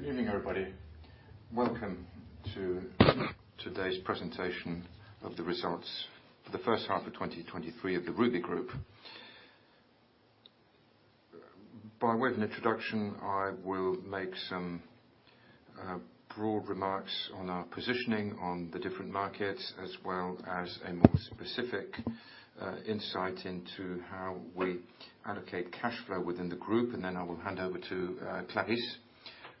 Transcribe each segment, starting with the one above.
Good evening, everybody. Welcome to today's presentation of the results for the first half of 2023 of the Rubis Group. By way of an introduction, I will make some broad remarks on our positioning on the different markets, as well as a more specific insight into how we allocate cash flow within the group. Then I will hand over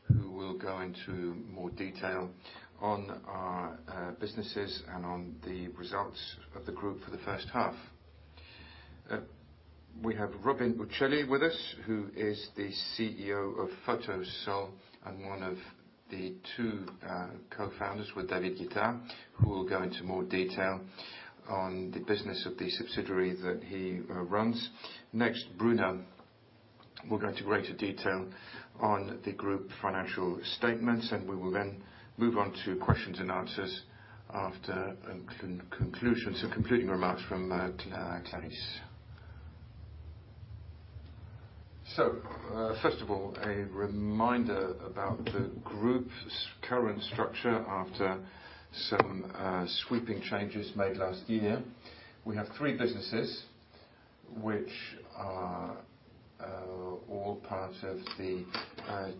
to Clarisse, who will go into more detail on our businesses and on the results of the group for the first half. We have Robin Bataille with us, who is the CEO of Photosol, and one of the two co-founders with David Gaudry, who will go into more detail on the business of the subsidiary that he runs. Next, Bruno will go into greater detail on the group financial statements, and we will then move on to questions and answers after conclusion, some concluding remarks from Clarisse. So, first of all, a reminder about the group's current structure after some sweeping changes made last year. We have three businesses which are all part of the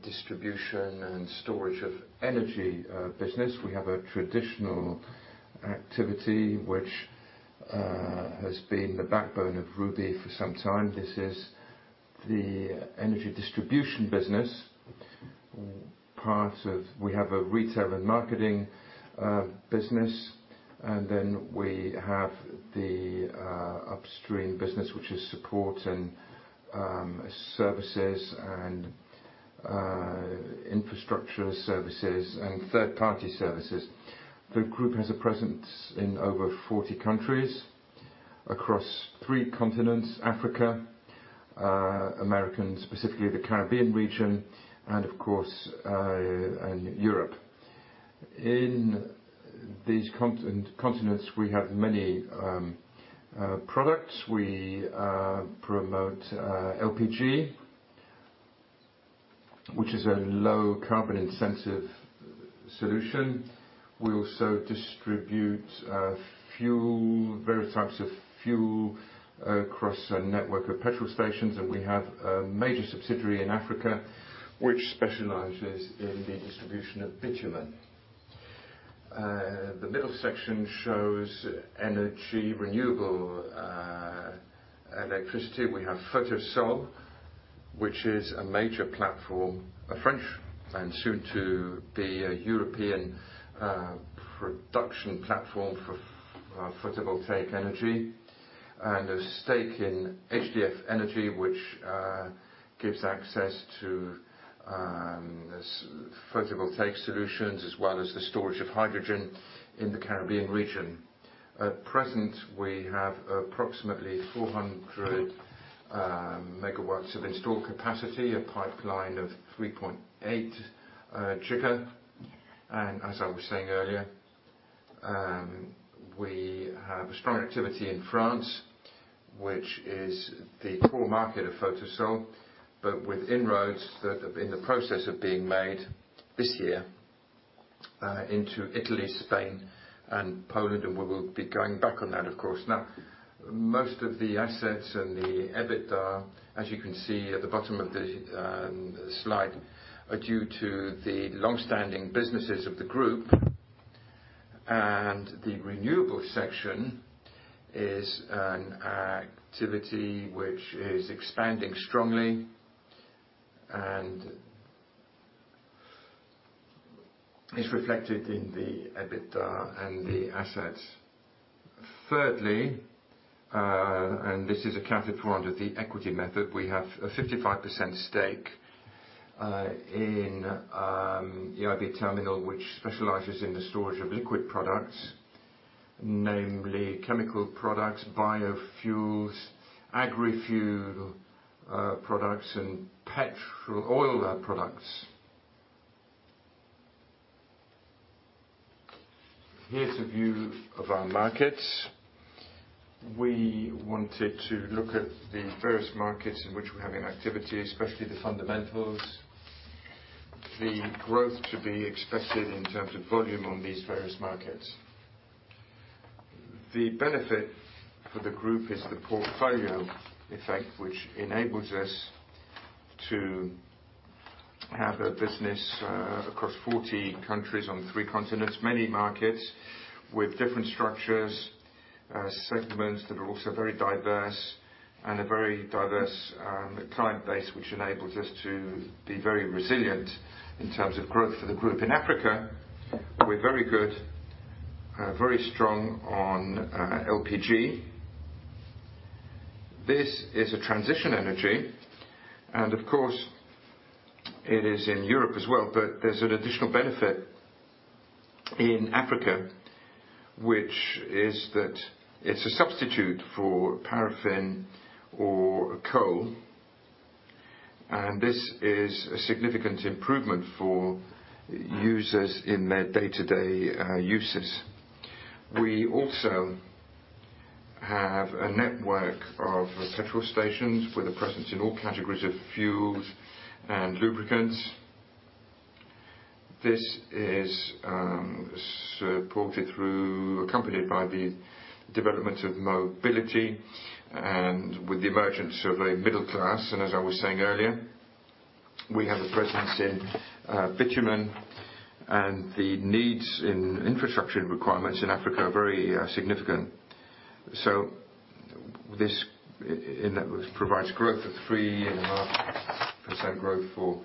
distribution and storage of energy business. We have a traditional activity, which has been the backbone of Rubis for some time. This is the energy distribution business. We have a retail and marketing business, and then we have the upstream business, which is support and services and infrastructure services and third-party services. The group has a presence in over 40 countries across three continents: Africa, Americas, specifically the Caribbean region, and of course, and Europe. In these continents, we have many products. We promote LPG, which is a low carbon intensive solution. We also distribute fuel, various types of fuel, across a network of petrol stations, and we have a major subsidiary in Africa, which specializes in the distribution of bitumen. The middle section shows energy, renewable electricity. We have Photosol, which is a major platform, a French and soon to be a European production platform for photovoltaic energy, and a stake in HDF Energy, which gives access to s- photovoltaic solutions, as well as the storage of hydrogen in the Caribbean region. At present, we have approximately 400 megawatts of installed capacity, a pipeline of 3.8 giga. As I was saying earlier, we have a strong activity in France, which is the core market of Photosol, but with inroads that are in the process of being made this year, into Italy, Spain, and Poland, and we will be going back on that, of course. Now, most of the assets and the EBITDA, as you can see at the bottom of the slide, are due to the long-standing businesses of the group. The renewable section is an activity which is expanding strongly and... It's reflected in the EBITDA and the assets. Thirdly, and this is accounted for under the equity method, we have a 55% stake in Rubis Terminal, which specializes in the storage of liquid products, namely chemical products, biofuels, agri-fuel products, and petrol oil products. Here's a view of our markets. We wanted to look at the various markets in which we're having activity, especially the fundamentals, the growth to be expected in terms of volume on these various markets. The benefit for the group is the portfolio effect, which enables us to have a business across 40 countries on three continents, many markets with different structures, segments that are also very diverse and a very diverse client base, which enables us to be very resilient in terms of growth for the group. In Africa, we're very good, very strong on LPG. This is a transition energy, and of course, it is in Europe as well, but there's an additional benefit in Africa, which is that it's a substitute for paraffin or coal, and this is a significant improvement for users in their day-to-day uses. We also-... have a network of petrol stations with a presence in all categories of fuels and lubricants. This is supported through, accompanied by the development of mobility and with the emergence of a middle class. And as I was saying earlier, we have a presence in bitumen, and the needs in infrastructure and requirements in Africa are very significant. So this, in that, provides growth of 3.5% growth for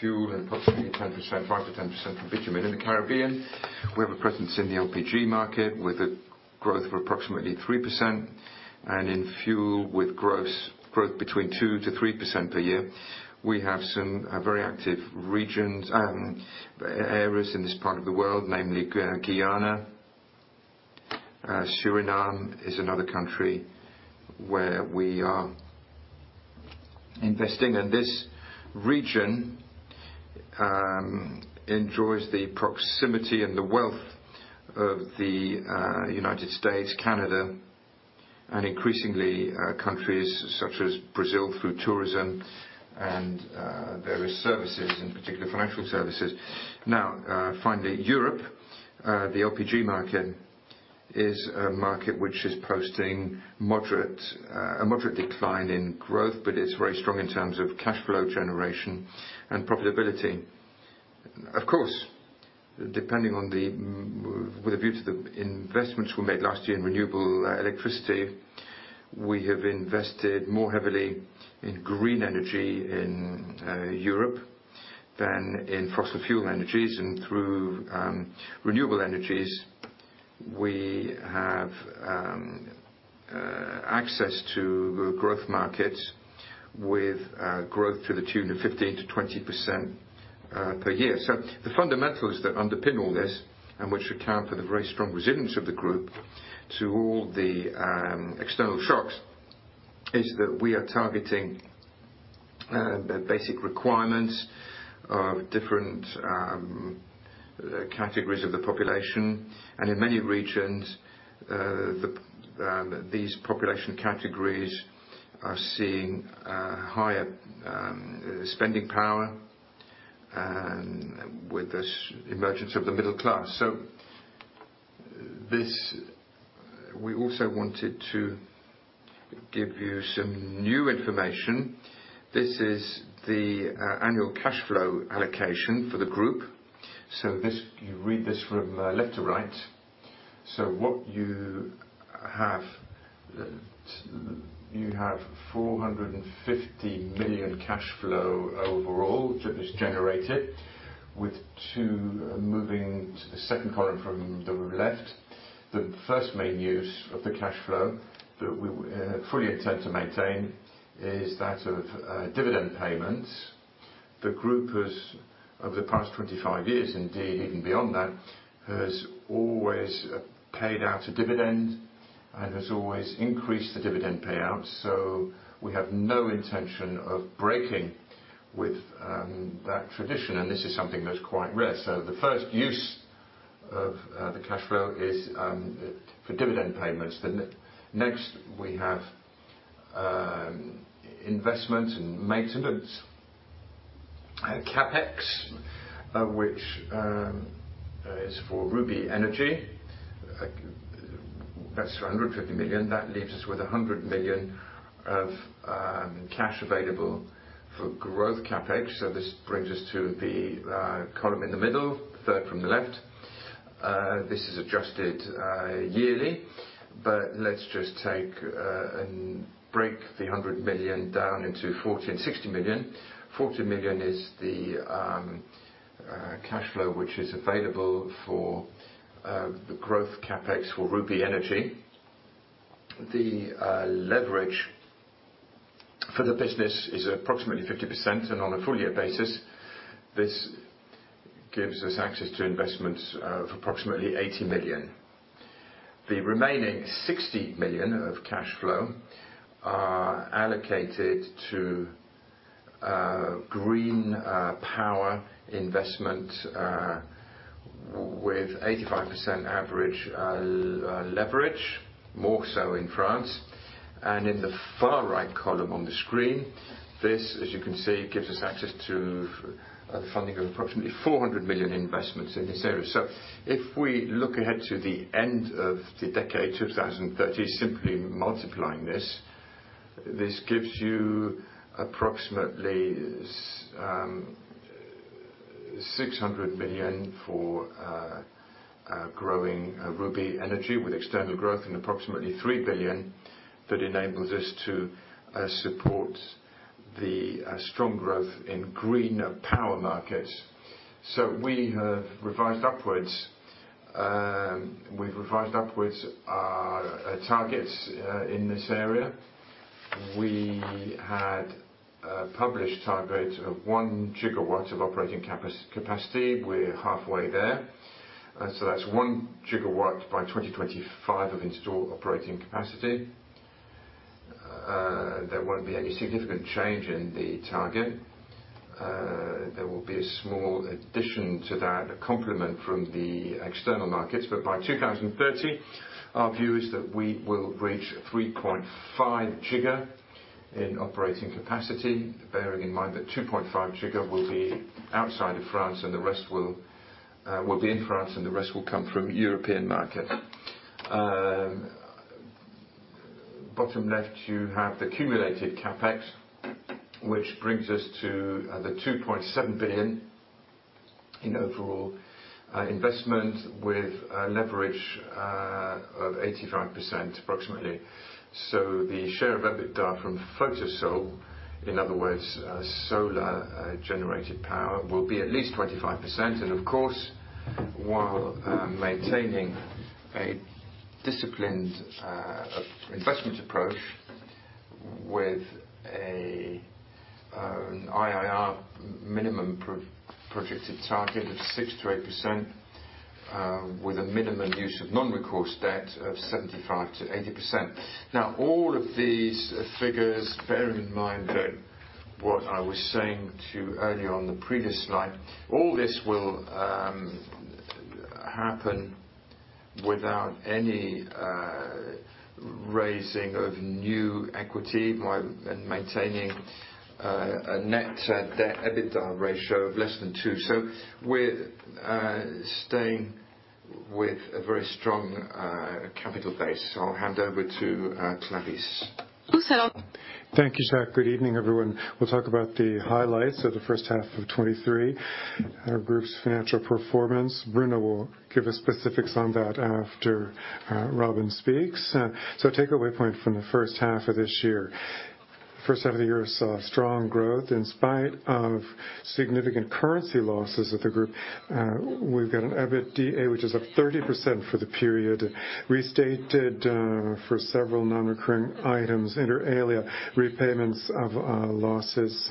fuel, and possibly 10%, 5%-10% for bitumen. In the Caribbean, we have a presence in the LPG market, with a growth of approximately 3%, and in fuel, with growth between 2%-3% per year. We have some very active regions and areas in this part of the world, namely Guyana. Suriname is another country where we are investing, and this region enjoys the proximity and the wealth of the United States, Canada, and increasingly countries such as Brazil, through tourism and various services, in particular financial services. Now, finally, Europe. The LPG market is a market which is posting moderate a moderate decline in growth, but it's very strong in terms of cash flow generation and profitability. Of course, depending on the m- with the view to the investments we made last year in renewable electricity, we have invested more heavily in green energy in Europe than in fossil fuel energies, and through renewable energies, we have access to growth markets with growth to the tune of 15%-20% per year. The fundamentals that underpin all this, and which account for the very strong resilience of the group to all the external shocks, is that we are targeting the basic requirements of different categories of the population. In many regions, these population categories are seeing higher spending power and with this emergence of the middle class. We also wanted to give you some new information. This is the annual cash flow allocation for the group. You read this from left to right. What you have, you have $450 million cash flow overall, which is generated with two... Moving to the second column from the left, the first main use of the cash flow that we fully intend to maintain is that of dividend payments. The group has, over the past 25 years, indeed, even beyond that, has always paid out a dividend and has always increased the dividend payout, so we have no intention of breaking with that tradition, and this is something that's quite rare. So the first use of the cash flow is for dividend payments. Next, we have investment and maintenance CapEx, which is for Rubis Énergie. That's 150 million. That leaves us with 100 million of cash available for growth CapEx. So this brings us to the column in the middle, third from the left. This is adjusted yearly, but let's just take and break the 100 million down into 40 million and 60 million. 40 million is the cash flow which is available for the growth CapEx for Rubis Énergie. The leverage for the business is approximately 50%, and on a full year basis, this gives us access to investments of approximately 80 million. The remaining 60 million of cash flow are allocated to green power investment with 85% average leverage, more so in France. And in the far right column on the screen, this, as you can see, gives us access to the funding of approximately 400 million investments in this area. So if we look ahead to the end of the decade, 2030, simply multiplying this, this gives you approximately EUR 600 million for growing Rubis Énergie, with external growth, and approximately 3 billion that enables us to support the strong growth in green power markets. So we have revised upwards, we've revised upwards our targets in this area. We had published targets of 1 gigawatt of operating capacity. We're halfway there. So that's one gigawatt by 2025 of installed operating capacity. There won't be any significant change in the target. There will be a small addition to that, a complement from the external markets, but by 2030, our view is that we will reach 3.5 giga in operating capacity, bearing in mind that 2.5 giga will be outside of France, and the rest will be in France, and the rest will come from European market. Bottom left, you have the cumulative CapEx, which brings us to the 2.7 billion in overall investment with a leverage of 85%, approximately. So the share of EBITDA from Photosol, in other words, solar generated power, will be at least 25%. Of course, while maintaining a disciplined investment approach with a IRR minimum projected target of 6%-8%, with a minimum use of non-recourse debt of 75%-80%. Now, all of these figures, bear in mind that what I was saying to you earlier on the previous slide, all this will happen without any raising of new equity, while and maintaining a net debt EBITDA ratio of less than two. So we're staying with a very strong capital base. I'll hand over to Clarisse. Thank you, Jacques. Good evening, everyone. We'll talk about the highlights of the first half of 2023, our group's financial performance. Bruno will give us specifics on that after Robin speaks. So takeaway point from the first half of this year. H1 of the year saw strong growth in spite of significant currency losses of the group. We've got an EBITDA, which is up 30% for the period, restated for several non-recurring items, inter alia, repayments of losses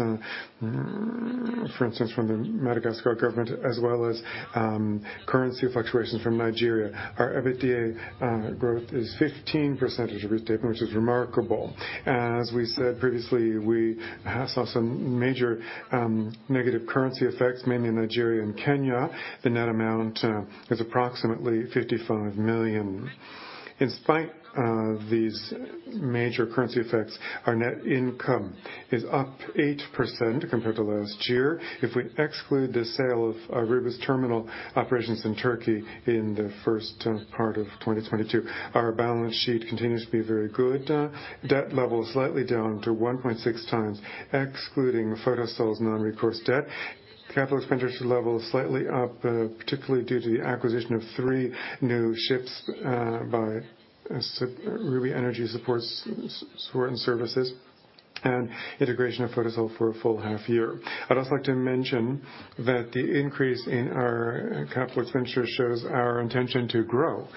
for instance from the Madagascar government, as well as currency fluctuations from Nigeria. Our EBITDA growth is 15% restatement, which is remarkable. As we said previously, we have saw some major negative currency effects, mainly in Nigeria and Kenya. The net amount is approximately 55 million. In spite of these major currency effects, our net income is up 8% compared to last year. If we exclude the sale of Rubis Terminal operations in Turkey in the first part of 2022, our balance sheet continues to be very good. Debt level is slightly down to 1.6x, excluding Photosol's non-recourse debt. Capital expenditure level is slightly up, particularly due to the acquisition of three new ships by Rubis Énergie Support and Services, and integration of Photosol for a full half year. I'd also like to mention that the increase in our capital expenditure shows our intention to grow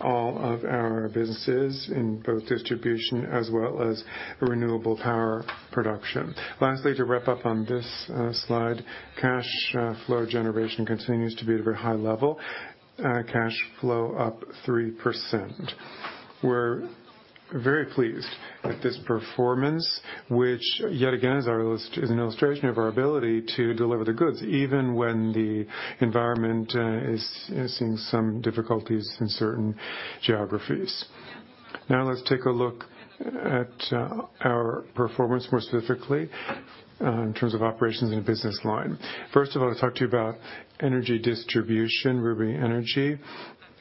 all of our businesses in both distribution as well as renewable power production. Lastly, to wrap up on this slide, cash flow generation continues to be at a very high level, cash flow up 3%. We're very pleased with this performance, which yet again is an illustration of our ability to deliver the goods, even when the environment is seeing some difficulties in certain geographies. Now, let's take a look at our performance, more specifically, in terms of operations in a business line. First of all, I'll talk to you about energy distribution, Rubis Énergie.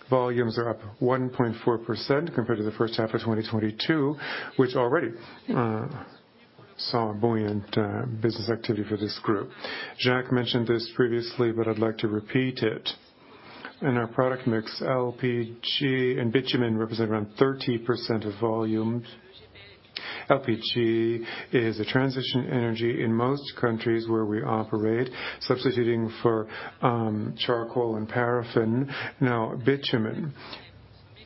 Volumes are up 1.4% compared to the first half of 2022, which already saw a buoyant business activity for this group. Jacques mentioned this previously, but I'd like to repeat it. In our product mix, LPG and bitumen represent around 30% of volumes. LPG is a transition energy in most countries where we operate, substituting for charcoal and paraffin. Now, bitumen,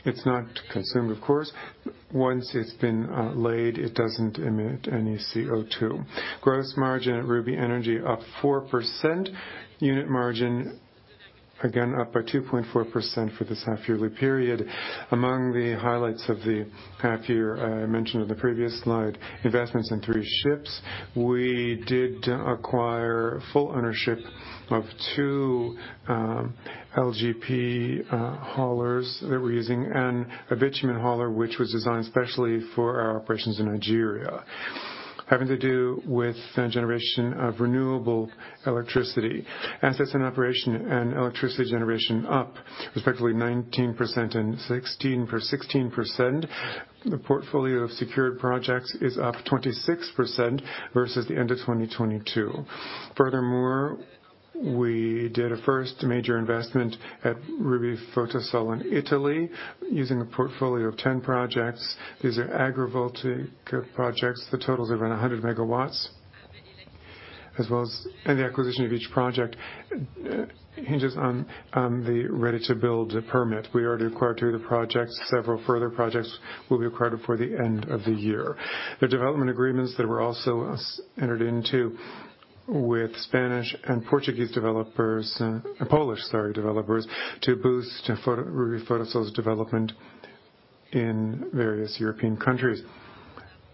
it's not consumed, of course. Once it's been laid, it doesn't emit any CO2. Gross margin at Rubis Énergie up 4%. Unit margin, again, up by 2.4% for this half-yearly period. Among the highlights of the half year, I mentioned in the previous slide, investments in three ships; we did acquire full ownership of two LPG haulers that we're using, and a bitumen hauler, which was designed especially for our operations in Nigeria. Having to do with the generation of renewable electricity, assets and operation and electricity generation up, respectively, 19% and 16%. The portfolio of secured projects is up 26% versus the end of 2022. Furthermore, we did a first major investment at Rubis Photosol in Italy, using a portfolio of 10 projects. These are agrivoltaic projects. The total is around 100 megawatts, as well as... and the acquisition of each project hinges on the ready-to-build permit. We already acquired two of the projects. Several further projects will be acquired before the end of the year. The development agreements that were also entered into with Spanish and Portuguese developers, Polish, sorry, developers, to boost Rubis Photosol's development in various European countries.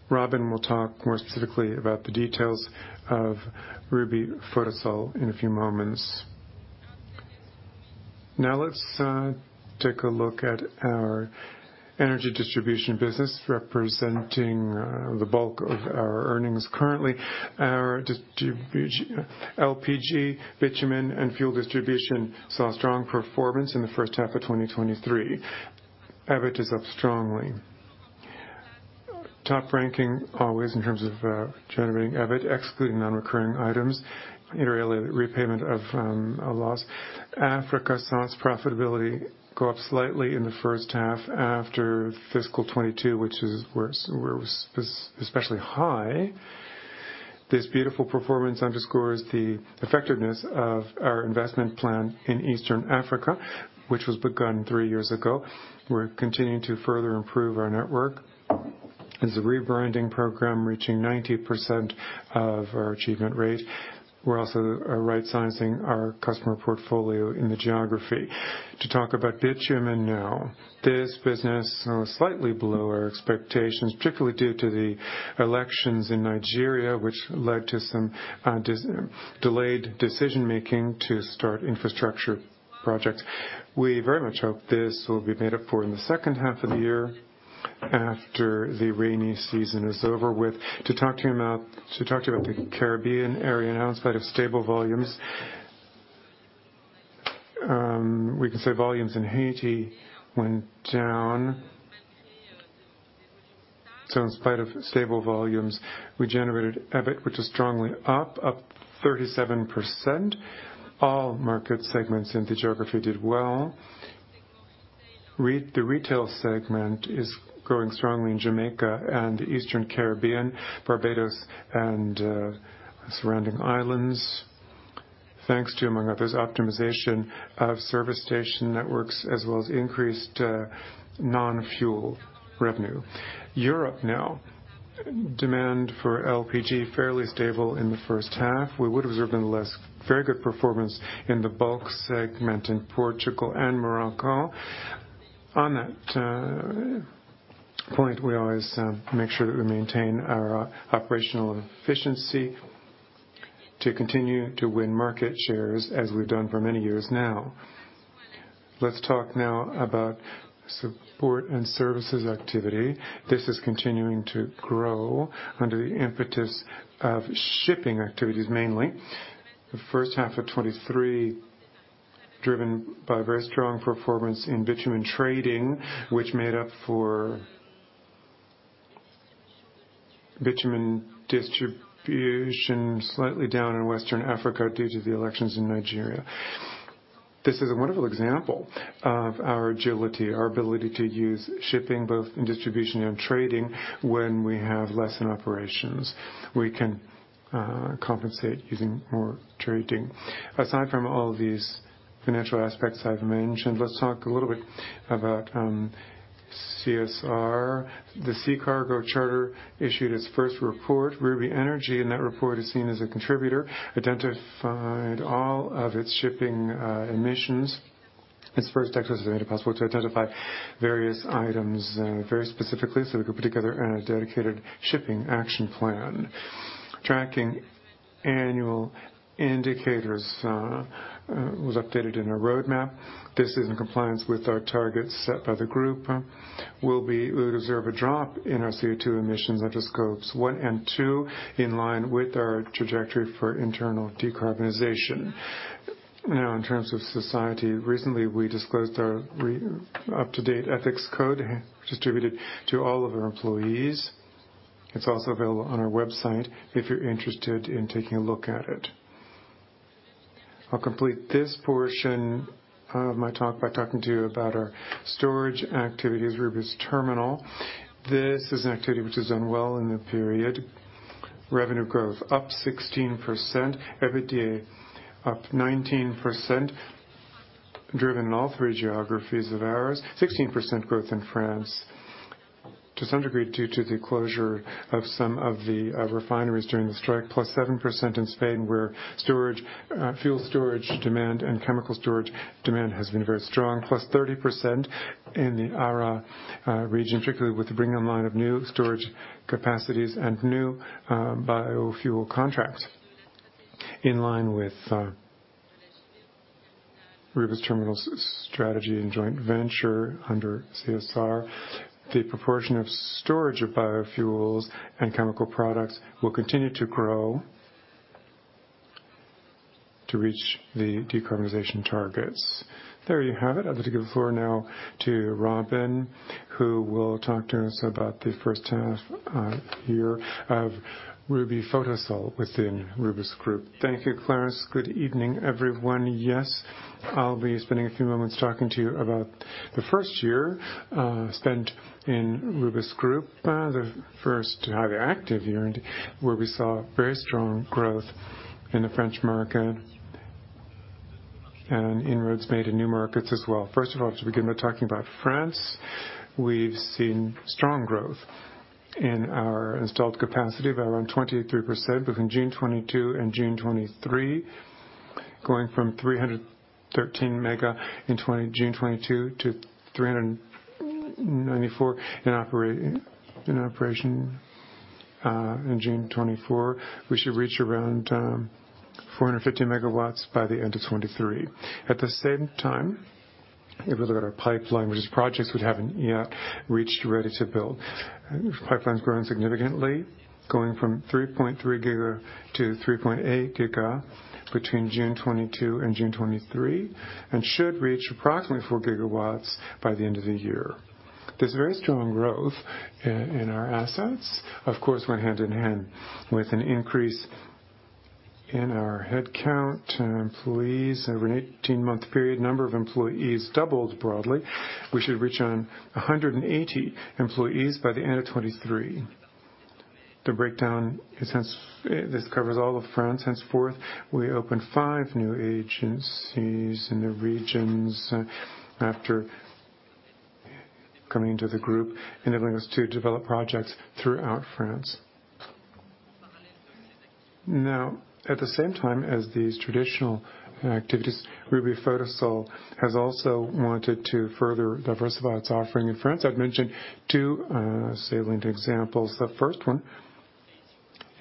Robin will talk more specifically about the details of Rubis Photosol in a few moments. Now, let's take a look at our energy distribution business, representing the bulk of our earnings. Currently, our distribution, LPG, bitumen, and fuel distribution saw strong performance in the first half of 2023. EBIT is up strongly. Top ranking, always, in terms of generating EBIT, excluding non-recurring items, interrelated repayment of a loss. Africa, since profitability, go up slightly in the first half after fiscal 2022, which is where it was especially high. This beautiful performance underscores the effectiveness of our investment plan in Eastern Africa, which was begun three years ago. We're continuing to further improve our network as a rebranding program, reaching 90% of our achievement rate. We're also right-sizing our customer portfolio in the geography. To talk about bitumen now. This business was slightly below our expectations, particularly due to the elections in Nigeria, which led to some delayed decision-making to start infrastructure projects. We very much hope this will be made up for in the second half of the year, after the rainy season is over with. To talk to you about the Caribbean area now, in spite of stable volumes, we can say volumes in Haiti went down. So in spite of stable volumes, we generated EBIT, which is strongly up 37%. All market segments in the geography did well. The retail segment is growing strongly in Jamaica and Eastern Caribbean, Barbados, and surrounding islands, thanks to, among others, optimization of service station networks, as well as increased non-fuel revenue. Europe now, demand for LPG, fairly stable in the first half. We would observe nonetheless very good performance in the bulk segment in Portugal and Morocco. On that point, we always make sure that we maintain our operational efficiency to continue to win market shares, as we've done for many years now. Let's talk now about support and services activity. This is continuing to grow under the impetus of shipping activities, mainly. The first half of 2023, driven by very strong performance in bitumen trading, which made up for bitumen distribution, slightly down in West Africa due to the elections in Nigeria. This is a wonderful example of our agility, our ability to use shipping, both in distribution and trading, when we have less in operations. We can compensate using more trading. Aside from all these financial aspects I've mentioned, let's talk a little bit about CSR. The Sea Cargo Charter issued its first report. Rubis Énergie, in that report, is seen as a contributor, identified all of its shipping emissions. Its first exercise made it possible to identify various items very specifically, so they could put together a dedicated shipping action plan. Tracking annual indicators was updated in our roadmap. This is in compliance with our targets set by the group. We observe a drop in our CO2 emissions under scopes one and two, in line with our trajectory for internal decarbonization. Now, in terms of society, recently, we disclosed our up-to-date ethics code, distributed to all of our employees. It's also available on our website, if you're interested in taking a look at it. I'll complete this portion of my talk by talking to you about our storage activities, Rubis Terminal. This is an activity which is done well in the period. Revenue growth, up 16%. EBITDA, up 19%, driven in all three geographies of ours. 16% growth in France, to some degree, due to the closure of some of the refineries during the strike, +7% in Spain, where storage fuel storage demand and chemical storage demand has been very strong. +30% in the ARA region, particularly with the bringing online of new storage capacities and new biofuel contracts. In line with Rubis Terminal's strategy and joint venture under CSR, the proportion of storage of biofuels and chemical products will continue to grow to reach the decarbonization targets. There you have it. I'd like to give the floor now to Robin, who will talk to us about the first half year of Photosol within Rubis Group. Thank you, Clarisse. Good evening, everyone. Yes, I'll be spending a few moments talking to you about the first year spent in Rubis Group. The first highly active year, and where we saw very strong growth in the French market and inroads made in new markets as well. First of all, to begin with talking about France, we've seen strong growth in our installed capacity of around 23% between June 2022 and June 2023, going from 313 MW in June 2022 to 394 in operating, in operation, in June 2024. We should reach around 450 MW by the end of 2023. At the same time, if we look at our pipeline, which is projects we haven't yet reached ready-to-build. Pipeline's grown significantly, going from 3.3 GW to 3.8 GW between June 2022 and June 2023, and should reach approximately four GW by the end of the year. This very strong growth in our assets, of course, went hand in hand with an increase in our headcount, employees. Over an 18-month period, number of employees doubled broadly. We should reach on 180 employees by the end of 2023. The breakdown, since this covers all of France, henceforth, we opened five new agencies in the regions after coming into the group, enabling us to develop projects throughout France. Now, at the same time as these traditional activities, Rubis Photosol has also wanted to further diversify its offering in France. I'd mention two salient examples. The first one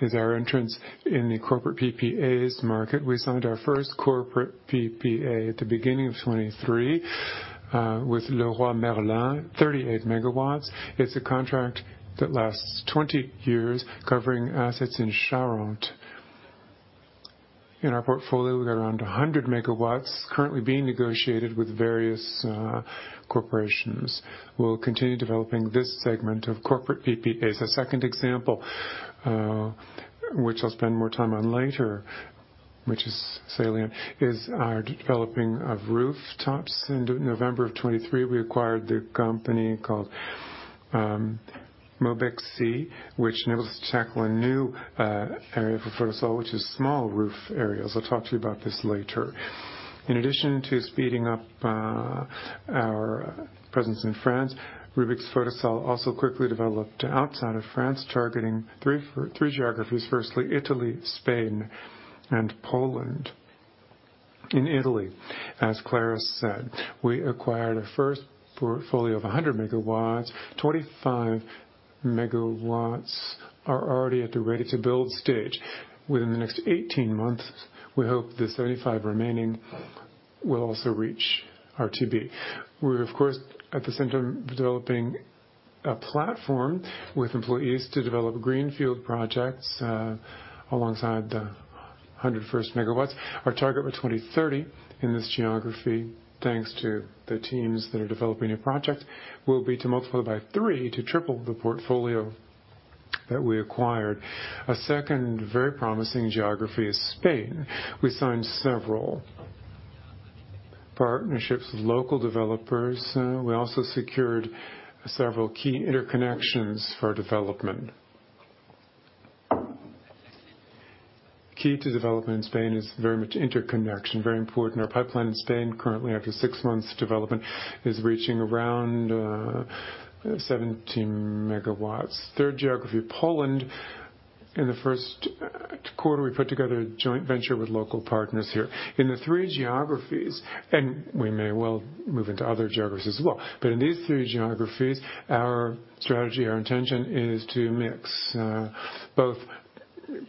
is our entrance in the corporate PPAs market. We signed our first corporate PPA at the beginning of 2023 with Leroy Merlin, 38 MW. It's a contract that lasts 20 years, covering assets in Charente. In our portfolio, we've got around 100 megawatts currently being negotiated with various, corporations. We'll continue developing this segment of corporate PPAs. A second example, which I'll spend more time on later, which is salient, is our developing of rooftops. In November 2023, we acquired the company called, Mobexi, which enables to tackle a new, area for Photosol, which is small roof areas. I'll talk to you about this later. In addition to speeding up, our presence in France, Rubis Photosol also quickly developed outside of France, targeting 3 geographies. Firstly, Italy, Spain, and Poland. In Italy, as Clarisse said, we acquired a first portfolio of 100 megawatts. 25 megawatts are already at the ready-to-build stage. Within the next 18 months, we hope the 75 remaining will also reach RTB. We're, of course, at the center of developing a platform with employees to develop greenfield projects alongside the 101 megawatts. Our target for 2030 in this geography, thanks to the teams that are developing a project, will be to multiply by three, to triple the portfolio that we acquired. A second very promising geography is Spain. We signed several partnerships with local developers. We also secured several key interconnections for development. Key to development in Spain is very much interconnection, very important. Our pipeline in Spain, currently, after six months' development, is reaching around 17 megawatts. Third geography, Poland. In the first quarter, we put together a joint venture with local partners here. In the three geographies, and we may well move into other geographies as well, but in these three geographies, our strategy, our intention, is to mix both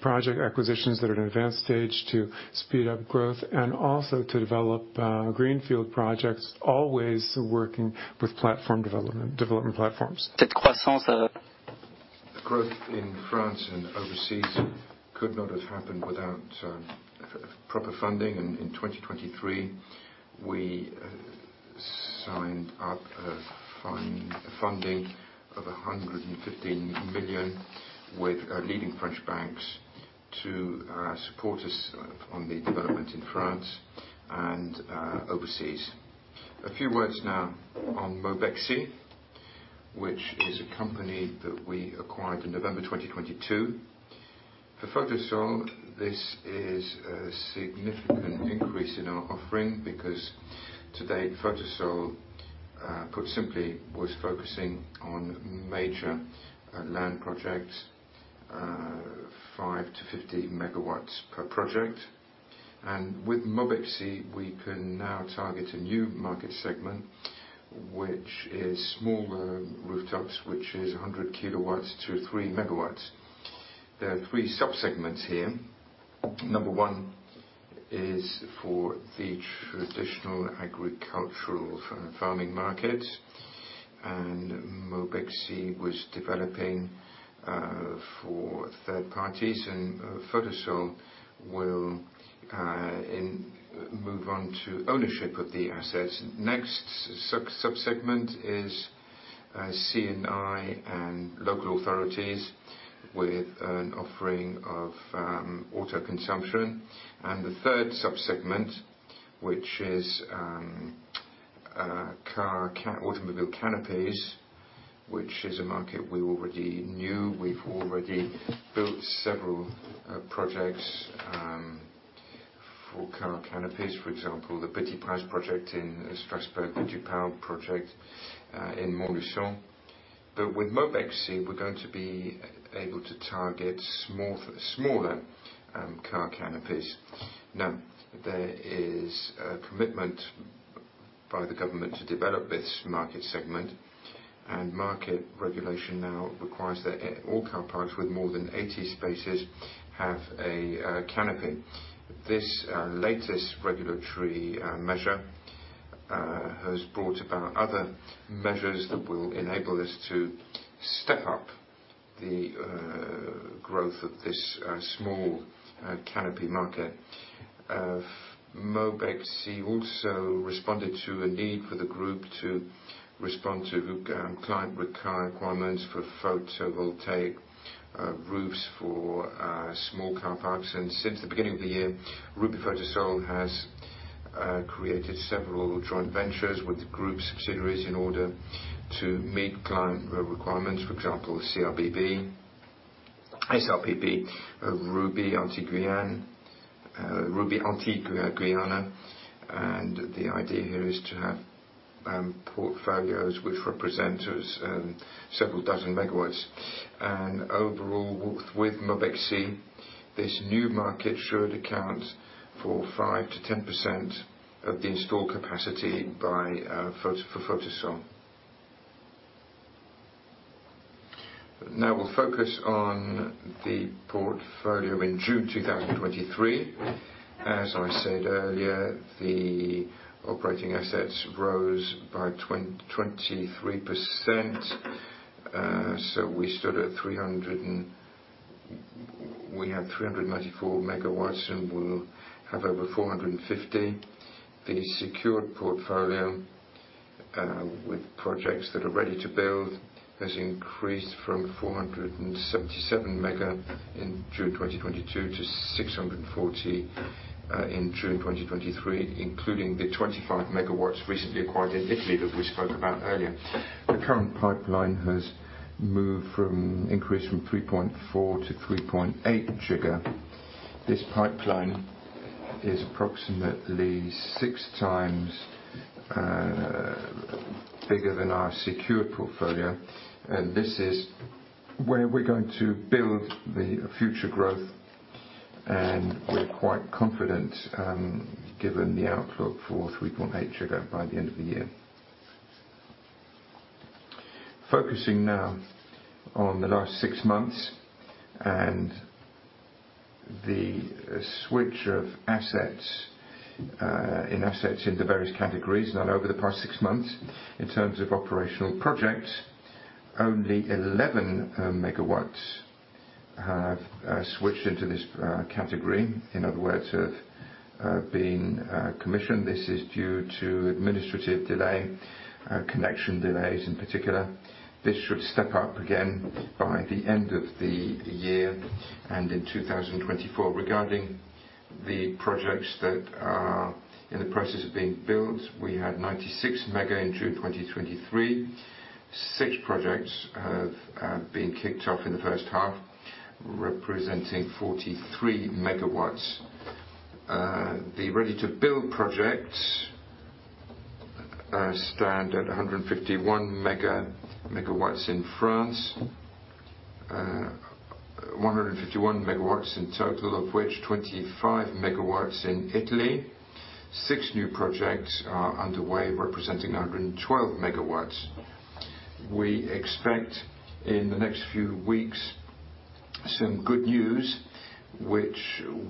project acquisitions that are at an advanced stage to speed up growth and also to develop greenfield projects, always working with platform development, development platforms. The growth in France and overseas could not have happened without proper funding, and in 2023, we signed a funding of 115 million with leading French banks to support us on the development in France and overseas. A few words now on Mobexi, which is a company that we acquired in November 2022. For Photosol, this is a significant increase in our offering because today, Photosol, put simply, was focusing on major land projects, 5-15 MW per project. And with Mobexi, we can now target a new market segment, which is smaller rooftops, which is 100 kW-3 MW. There are three subsegments here. Number one is for the traditional agricultural far-farming market, and Mobexi was developing for third parties, and Photosol will move on to ownership of the assets. Next sub-subsegment is CNI and local authorities with an offering of auto consumption. And the third subsegment, which is car automobile canopies, which is a market we already knew. We've already built several projects for car canopies, for example, the Petit Prince project in Strasbourg, the Dunlop project in Montluçon. But with Mobexi, we're going to be able to target small, smaller car canopies. Now, there is a commitment by the government to develop this market segment, and market regulation now requires that all car parks with more than 80 spaces have a canopy. This latest regulatory measure has brought about other measures that will enable us to step up the growth of this small canopy market. Mobexi also responded to a need for the group to respond to client requirements for photovoltaic roofs for small car parks. And since the beginning of the year, Rubis Photovoltaic has created several joint ventures with group subsidiaries in order to meet client requirements. For example, Uncertain, SRPP, Rubis Antilles Guyane, Rubis Antilles Guyane, and the idea here is to have portfolios which represent us several dozen megawatts. And overall, with Mobexi, this new market should account for 5%-10% of the installed capacity for Photosol. Now, we'll focus on the portfolio in June 2023. As I said earlier, the operating assets rose by 23%. So we stood at 394 megawatts, and we'll have over 450. The secured portfolio, with projects that are ready to build, has increased from 477 MW in June 2022, to 640 MW in June 2023, including the 25 MW recently acquired in Italy, that we spoke about earlier. The current pipeline has increased from 3.4 GW to 3.8 GW. This pipeline is approximately 6x bigger than our secured portfolio, and this is where we're going to build the future growth, and we're quite confident, given the outlook for 3.8 GW by the end of the year. Focusing now on the last six months, and the switch of assets into various categories. Now, over the past six months, in terms of operational projects, only 11 MW have switched into this category. In other words, have been commissioned. This is due to administrative delay, connection delays in particular. This should step up again by the end of the year and in 2024. Regarding the projects that are in the process of being built, we had 96 MW in June 2023. Six projects have been kicked off in the first half, representing 43 MW. The ready-to-build projects stand at 151 MW in France. 151 MW in total, of which 25 MW in Italy. Six new projects are underway, representing 112 MW. We expect in the next few weeks, some good news, which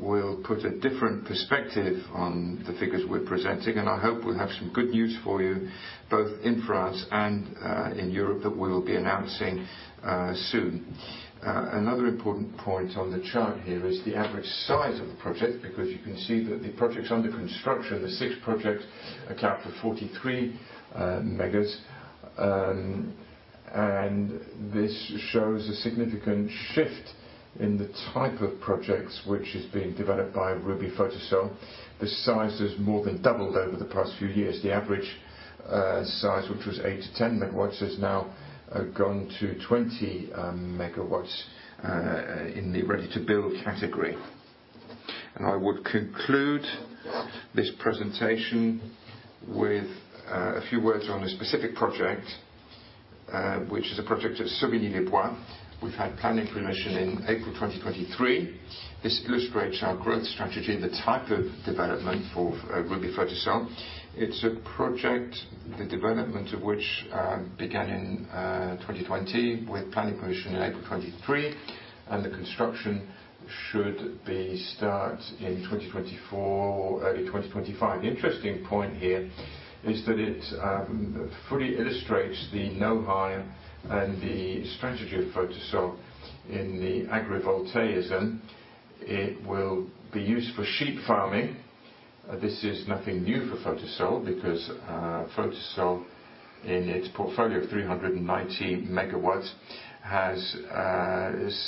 will put a different perspective on the figures we're presenting. I hope we'll have some good news for you, both in France and in Europe, that we will be announcing soon. Another important point on the chart here is the average size of the project, because you can see that the projects under construction, the six projects, account for 43 megawatts. This shows a significant shift in the type of projects which is being developed by Rubis Photovoltaic. The size has more than doubled over the past few years. The average size, which was eight to 10 megawatts, has now gone to 20 megawatts in the ready-to-build category. I would conclude this presentation with a few words on a specific project, which is a project at Saône-et-Loire. We've had planning permission in April 2023. This illustrates our growth strategy, the type of development for Photosol. It's a project, the development of which began in 2020, with planning permission in April 2023, and the construction should start in 2024, early 2025. The interesting point here is that it fully illustrates the know-how and the strategy of Photosol in the agrivoltaics. It will be used for sheep farming. This is nothing new for Photosol because Photosol in its portfolio of 390 MW has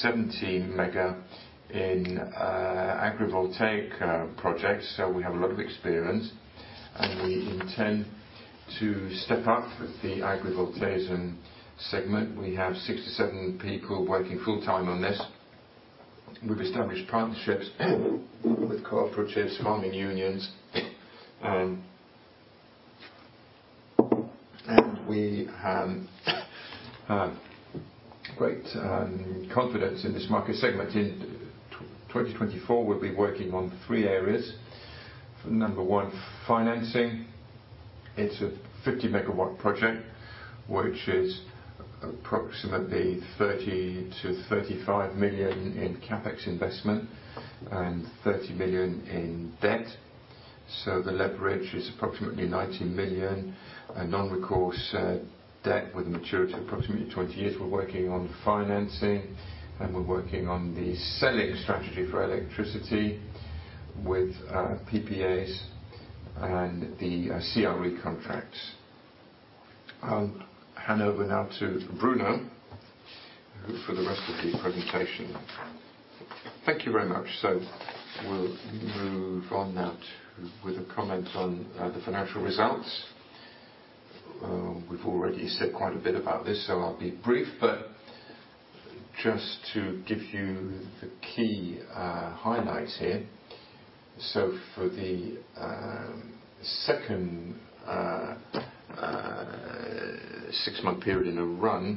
17 MW in agrivoltaic projects. So we have a lot of experience, and we intend to step up with the agrivoltaics segment. We have 67 people working full-time on this. We've established partnerships with cooperatives, farming unions, and we have great confidence in this market segment. In 2024, we'll be working on three areas. Number one, financing. It's a 50 megawatt project, which is approximately 30 million-35 million in CapEx investment and 30 million in debt. So the leverage is approximately 90 million, a non-recourse debt with maturity, approximately 20 years. We're working on financing, and we're working on the selling strategy for electricity with PPAs and the CRE contracts. I'll hand over now to Bruno for the rest of the presentation. Thank you very much. We'll move on now with a comment on the financial results. We've already said quite a bit about this, so I'll be brief, but just to give you the key highlights here. So for the second six-month period in a row,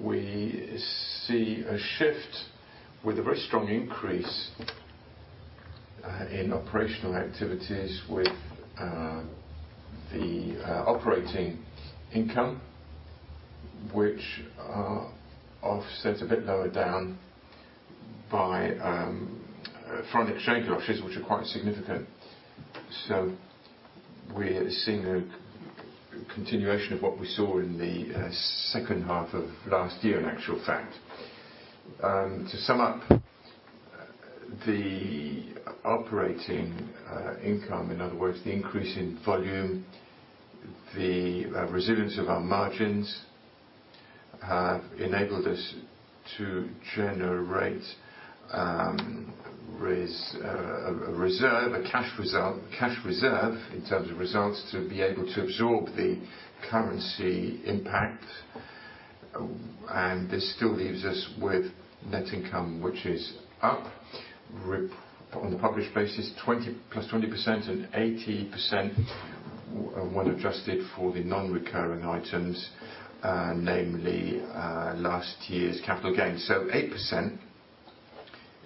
we see a shift with a very strong increase in operational activities with the operating income, which offsets a bit lower down by foreign exchange losses, which are quite significant. So we're seeing a continuation of what we saw in the second half of last year, in actual fact. To sum up, the operating income, in other words, the increase in volume, the resilience of our margins, have enabled us to generate a cash reserve in terms of results to be able to absorb the currency impact. This still leaves us with net income, which is up 20% on the published basis, +20% and 80%, when adjusted for the non-recurring items, namely last year's capital gains. 8%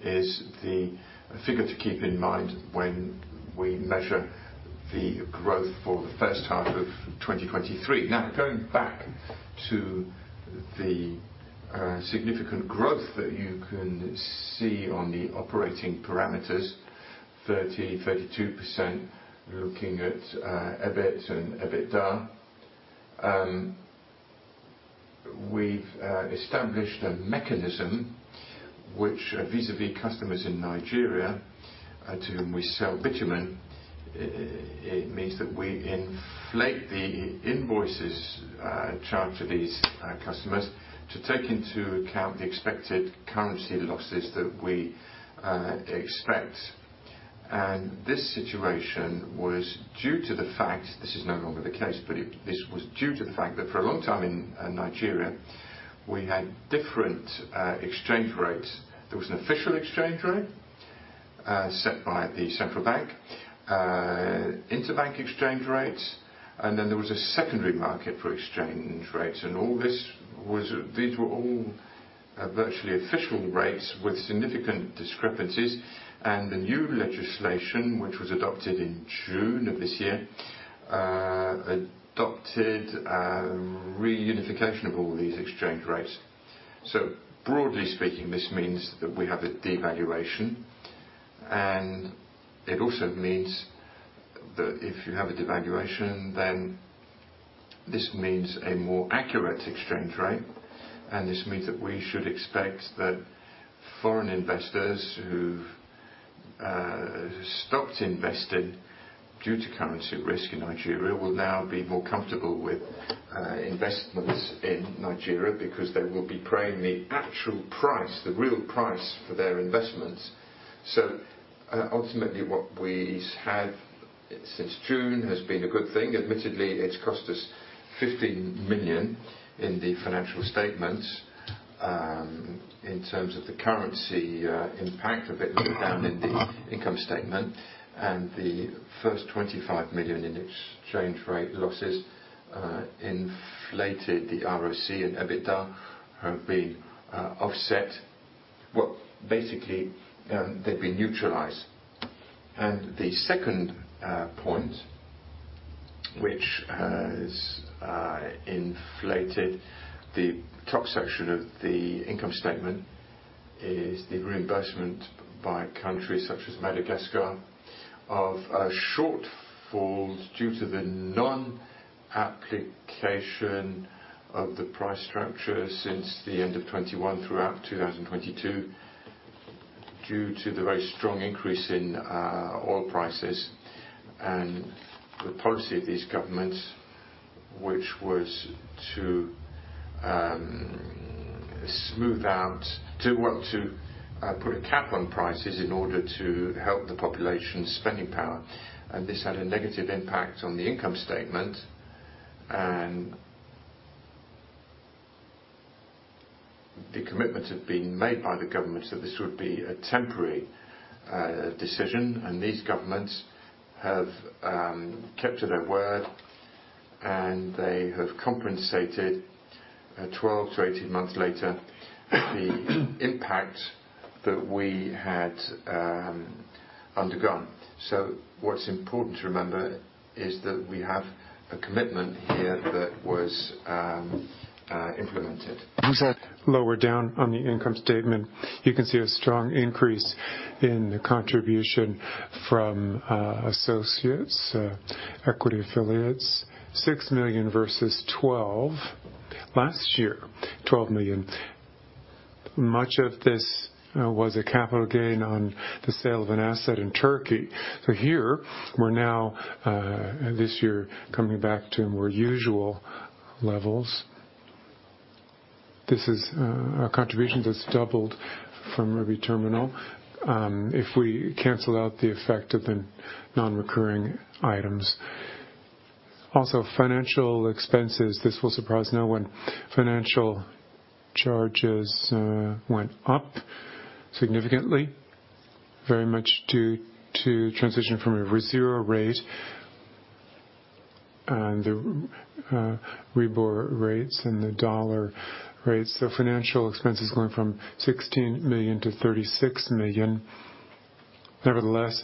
is the figure to keep in mind when we measure the growth for the first half of 2023. Now, going back to the significant growth that you can see on the operating parameters, 30%-32%, looking at EBIT and EBITDA. We've established a mechanism which vis-à-vis customers in Nigeria to whom we sell bitumen. It means that we inflate the invoices charged to these customers to take into account the expected currency losses that we expect. And this situation was due to the fact—this is no longer the case, but it—this was due to the fact that for a long time in Nigeria, we had different exchange rates. There was an official exchange rate set by the central bank, interbank exchange rates, and then there was a secondary market for exchange rates, and all this was... These were all virtually official rates with significant discrepancies. And the new legislation, which was adopted in June of this year, adopted a reunification of all these exchange rates. So broadly speaking, this means that we have a devaluation, and it also means that if you have a devaluation, then this means a more accurate exchange rate, and this means that we should expect that foreign investors who've stopped investing due to currency risk in Nigeria, will now be more comfortable with investments in Nigeria because they will be paying the actual price, the real price, for their investments. So ultimately, what we've had since June has been a good thing. Admittedly, it's cost us 15 million in the financial statements, in terms of the currency impact of it, down in the income statement, and the first 25 million in exchange rate losses inflated the ROC and EBITDA have been offset. Well, basically, they've been neutralized. And the second point which has inflated the top section of the income statement is the reimbursement by countries such as Madagascar of shortfalls due to the non-application of the price structure since the end of 2021 throughout 2022 due to the very strong increase in oil prices and the policy of these governments, which was to smooth out, to want to put a cap on prices in order to help the population's spending power. And this had a negative impact on the income statement. And the commitment had been made by the government that this would be a temporary decision, and these governments have kept to their word, and they have compensated 12months -18 months later, the impact that we had undergone. So what's important to remember is that we have a commitment here that was implemented. Lower down on the income statement, you can see a strong increase in the contribution from associates, equity affiliates, 6 million versus 12 million. Last year, 12 million. Much of this was a capital gain on the sale of an asset in Turkey. So here we're now this year, coming back to more usual levels. This is a contribution that's doubled from Rubis Terminal. If we cancel out the effect of the non-recurring items. Also financial expenses, this will surprise no one. Financial charges went up significantly, very much due to transition from a zero rate and the rebound rates and the dollar rates. So financial expenses going from 16 million to 36 million. Nevertheless,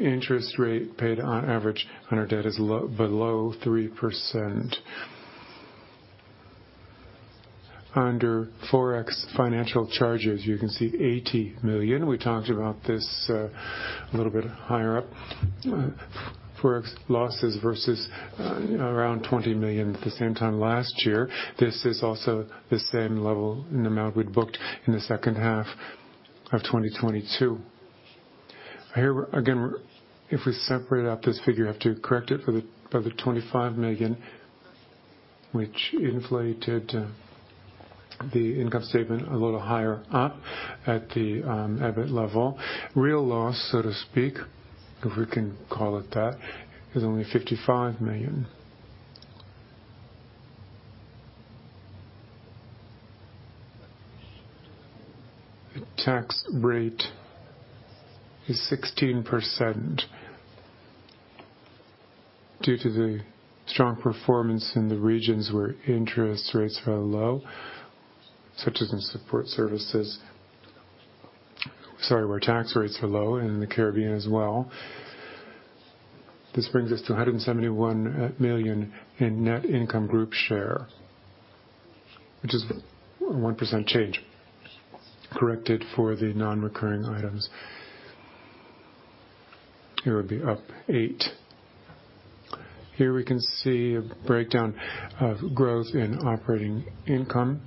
interest rate paid on average on our debt is below 3%. Under Forex financial charges, you can see 80 million. We talked about this, a little bit higher up. Forex losses versus, around 20 million at the same time last year. This is also the same level and amount we'd booked in the second half of 2022. Here, again, if we separate out this figure, you have to correct it for the, for the 25 million, which inflated, the income statement a little higher up at the, EBIT level. Real loss, so to speak, if we can call it that, is only 55 million. The tax rate is 16% due to the strong performance in the regions where interest rates are low, such as in support services. Sorry, where tax rates are low, and in the Caribbean as well. This brings us to 171 million in net income group share, which is a 1% change, corrected for the non-recurring items. It would be up eight. Here we can see a breakdown of growth in operating income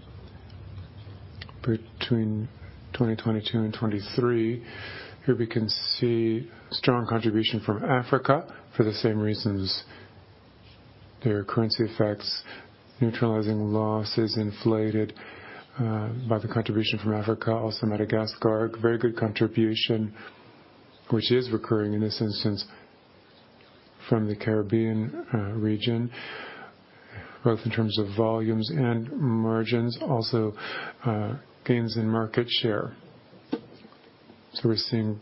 between 2022 and 2023. Here we can see strong contribution from Africa for the same reasons. There are currency effects, neutralizing losses inflated by the contribution from Africa. Also, Madagascar, very good contribution, which is recurring in this instance, from the Caribbean region, both in terms of volumes and margins, also gains in market share. So we're seeing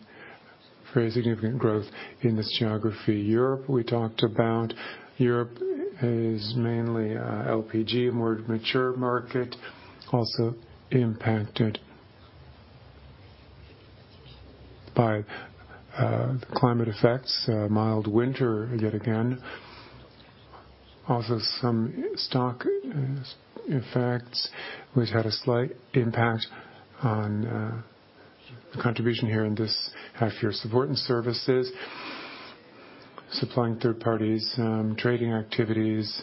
very significant growth in this geography. Europe, we talked about. Europe is mainly LPG, a more mature market, also impacted by the climate effects. Mild winter yet again. Also some stock effects, which had a slight impact on contribution here in this half year. Support and services, supplying third parties, trading activities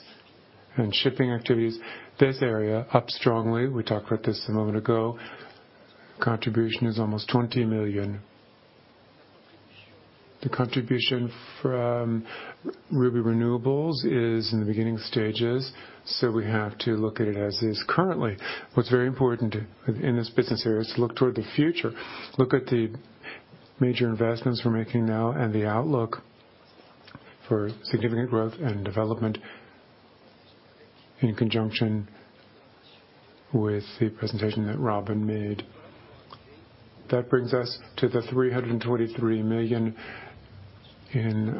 and shipping activities. This area, up strongly. We talked about this a moment ago. Contribution is almost 20 million. The contribution from Rubis Renewables is in the beginning stages, so we have to look at it as is currently. What's very important in this business area is to look toward the future, look at the major investments we're making now and the outlook for significant growth and development in conjunction with the presentation that Robin made. That brings us to 323 million in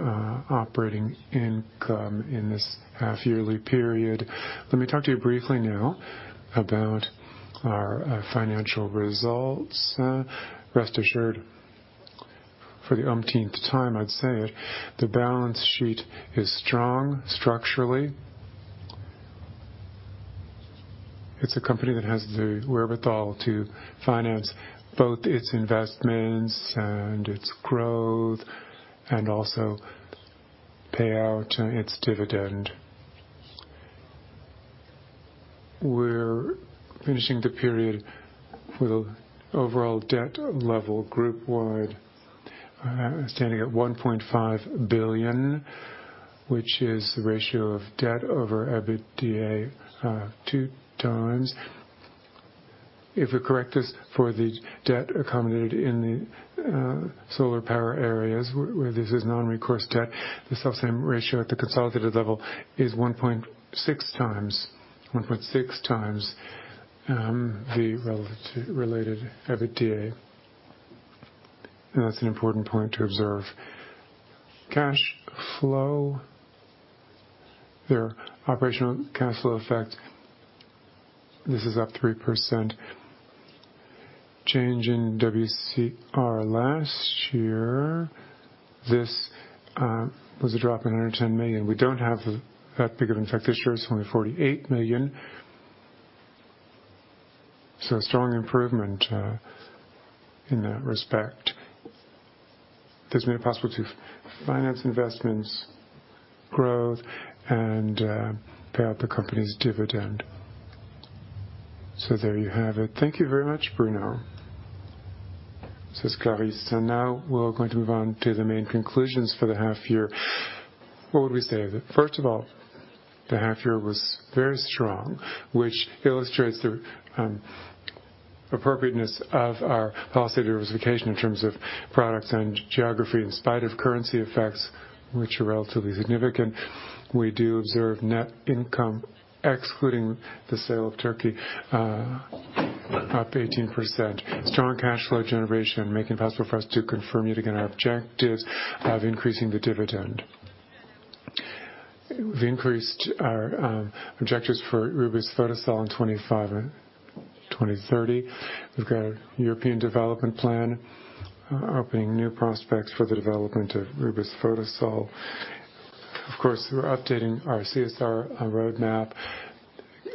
operating income in this half-yearly period. Let me talk to you briefly now about our financial results. Rest assured, for the umpteenth time, I'd say it, the balance sheet is strong structurally. It's a company that has the wherewithal to finance both its investments and its growth, and also pay out its dividend. We're finishing the period with an overall debt level, group-wide, standing at 1.5 billion, which is the ratio of debt over EBITDA, 2x. If we correct this for the debt accommodated in the solar power areas, where this is non-recourse debt, the self-same ratio at the consolidated level is 1.6x, 1.6x, the relative related EBITDA. And that's an important point to observe. Cash flow, their operational cash flow effect, this is up 3%. Change in WCR last year, this was a drop of 110 million. We don't have that big of an effect this year, it's only 48 million. A strong improvement in that respect. This made it possible to finance investments, growth, and pay out the company's dividend. There you have it. Thank you very much, Bruno. This is Clarisse. Now we're going to move on to the main conclusions for the half year. What would we say? That, first of all, the half year was very strong, which illustrates the appropriateness of our policy diversification in terms of products and geography. In spite of currency effects, which are relatively significant, we do observe net income, excluding the sale of Turkey, up 18%. Strong cash flow generation, making it possible for us to confirm yet again our objectives of increasing the dividend. We've increased our objectives for Rubis Photovoltaic in 2025 and 2030. We've got a European development plan, opening new prospects for the development of Rubis Photovoltaic. Of course, we're updating our CSR roadmap,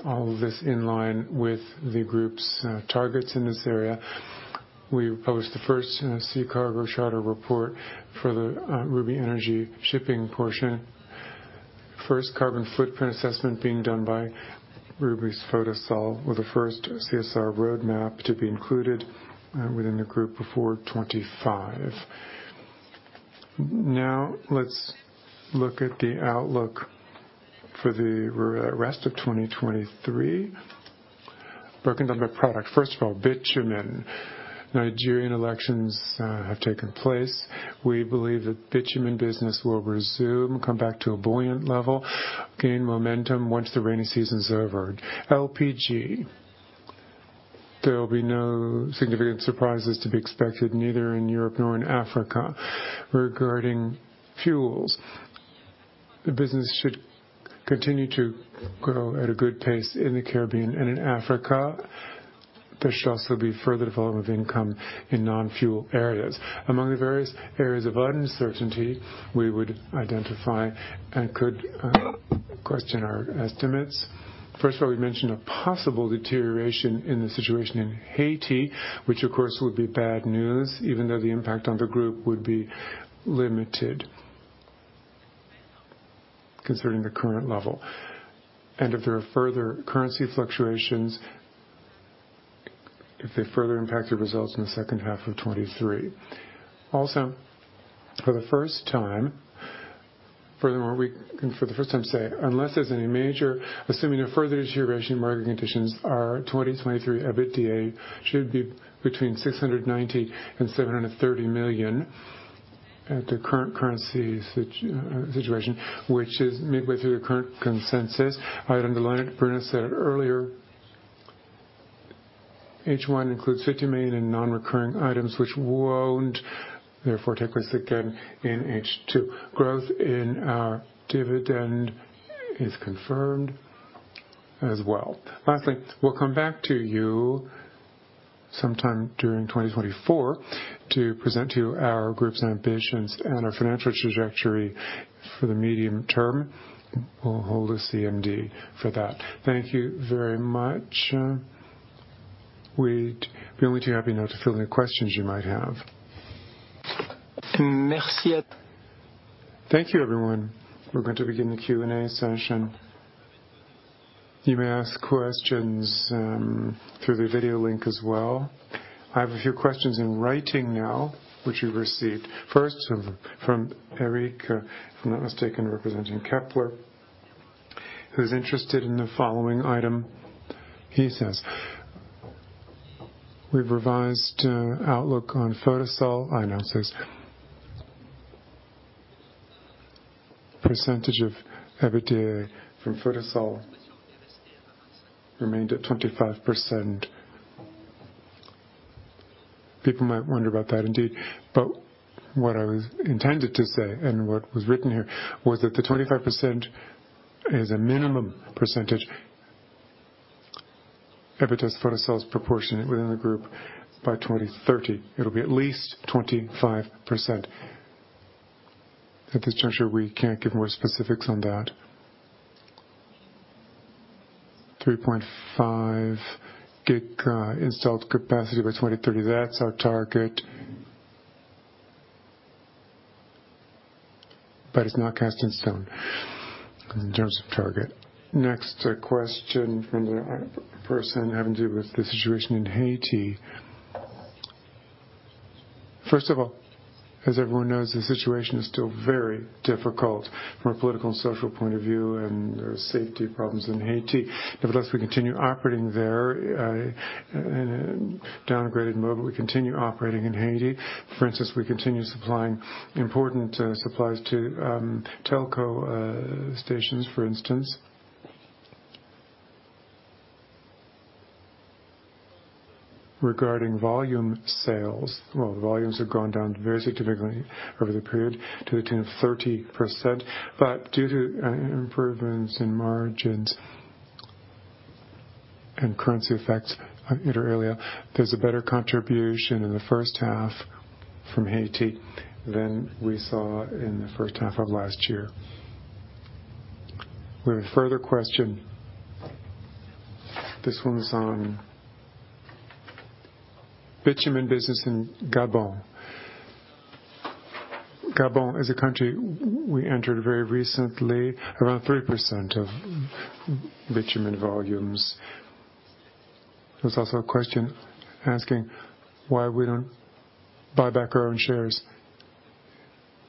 all of this in line with the group's targets in this area. We published the first sea cargo charter report for the Rubis Énergie shipping portion. First carbon footprint assessment being done by Rubis Photovoltaic, with the first CSR roadmap to be included within the group before 2025. Now, let's look at the outlook for the rest of 2023, broken down by product. First of all, bitumen. Nigerian elections have taken place. We believe the bitumen business will resume, come back to a buoyant level, gain momentum once the rainy season is over. LPG, there will be no significant surprises to be expected, neither in Europe nor in Africa. Regarding fuels, the business should continue to grow at a good pace in the Caribbean and in Africa. There should also be further development of income in non-fuel areas. Among the various areas of uncertainty, we would identify and could question our estimates. First of all, we mentioned a possible deterioration in the situation in Haiti, which, of course, would be bad news, even though the impact on the group would be limited concerning the current level. If there are further currency fluctuations, if they further impact the results in the second half of 2023. Also, for the first time... Furthermore, we can for the first time say, unless there's any major assuming a further deterioration in market conditions, our 2023 EBITDA should be between 690 million and 730 million at the current currency situation, which is midway through the current consensus. I'd underline it, Bruno said it earlier. H1 includes 50 million in non-recurring items, which won't therefore take place again in H2. Growth in our dividend is confirmed as well. Lastly, we'll come back to you sometime during 2024 to present to you our group's ambitions and our financial trajectory for the medium term. We'll hold a CMD for that. Thank you very much. We'd be only too happy now to fill any questions you might have. Merci. Thank you, everyone. We're going to begin the Q&A session. You may ask questions through the video link as well. I have a few questions in writing now, which you've received. First, from Eric, if I'm not mistaken, representing Kepler, who's interested in the following item. He says: We've revised outlook on Photovoltaic. I now say, percentage of EBITDA from Photovoltaic remained at 25%. People might wonder about that, indeed, but what I was intended to say, and what was written here, was that the 25% is a minimum percentage. EBITDA's photovoltaic is proportionate within the group. By 2030, it'll be at least 25%. At this juncture, we can't give more specifics on that. 3.5 GW installed capacity by 2030, that's our target. It's not cast in stone in terms of target. Next question from the person having to do with the situation in Haiti. First of all, as everyone knows, the situation is still very difficult from a political and social point of view, and there are safety problems in Haiti. Nevertheless, we continue operating there in a downgraded mode, but we continue operating in Haiti. For instance, we continue supplying important supplies to telco stations, for instance. Regarding volume sales. Well, the volumes have gone down very significantly over the period to the tune of 30%, but due to improvements in margins and currency effects, I said earlier, there's a better contribution in the first half from Haiti than we saw in the first half of last year. We have a further question. This one's on bitumen business in Gabon. Gabon is a country we entered very recently, around 3% of bitumen volumes. There's also a question asking why we don't buy back our own shares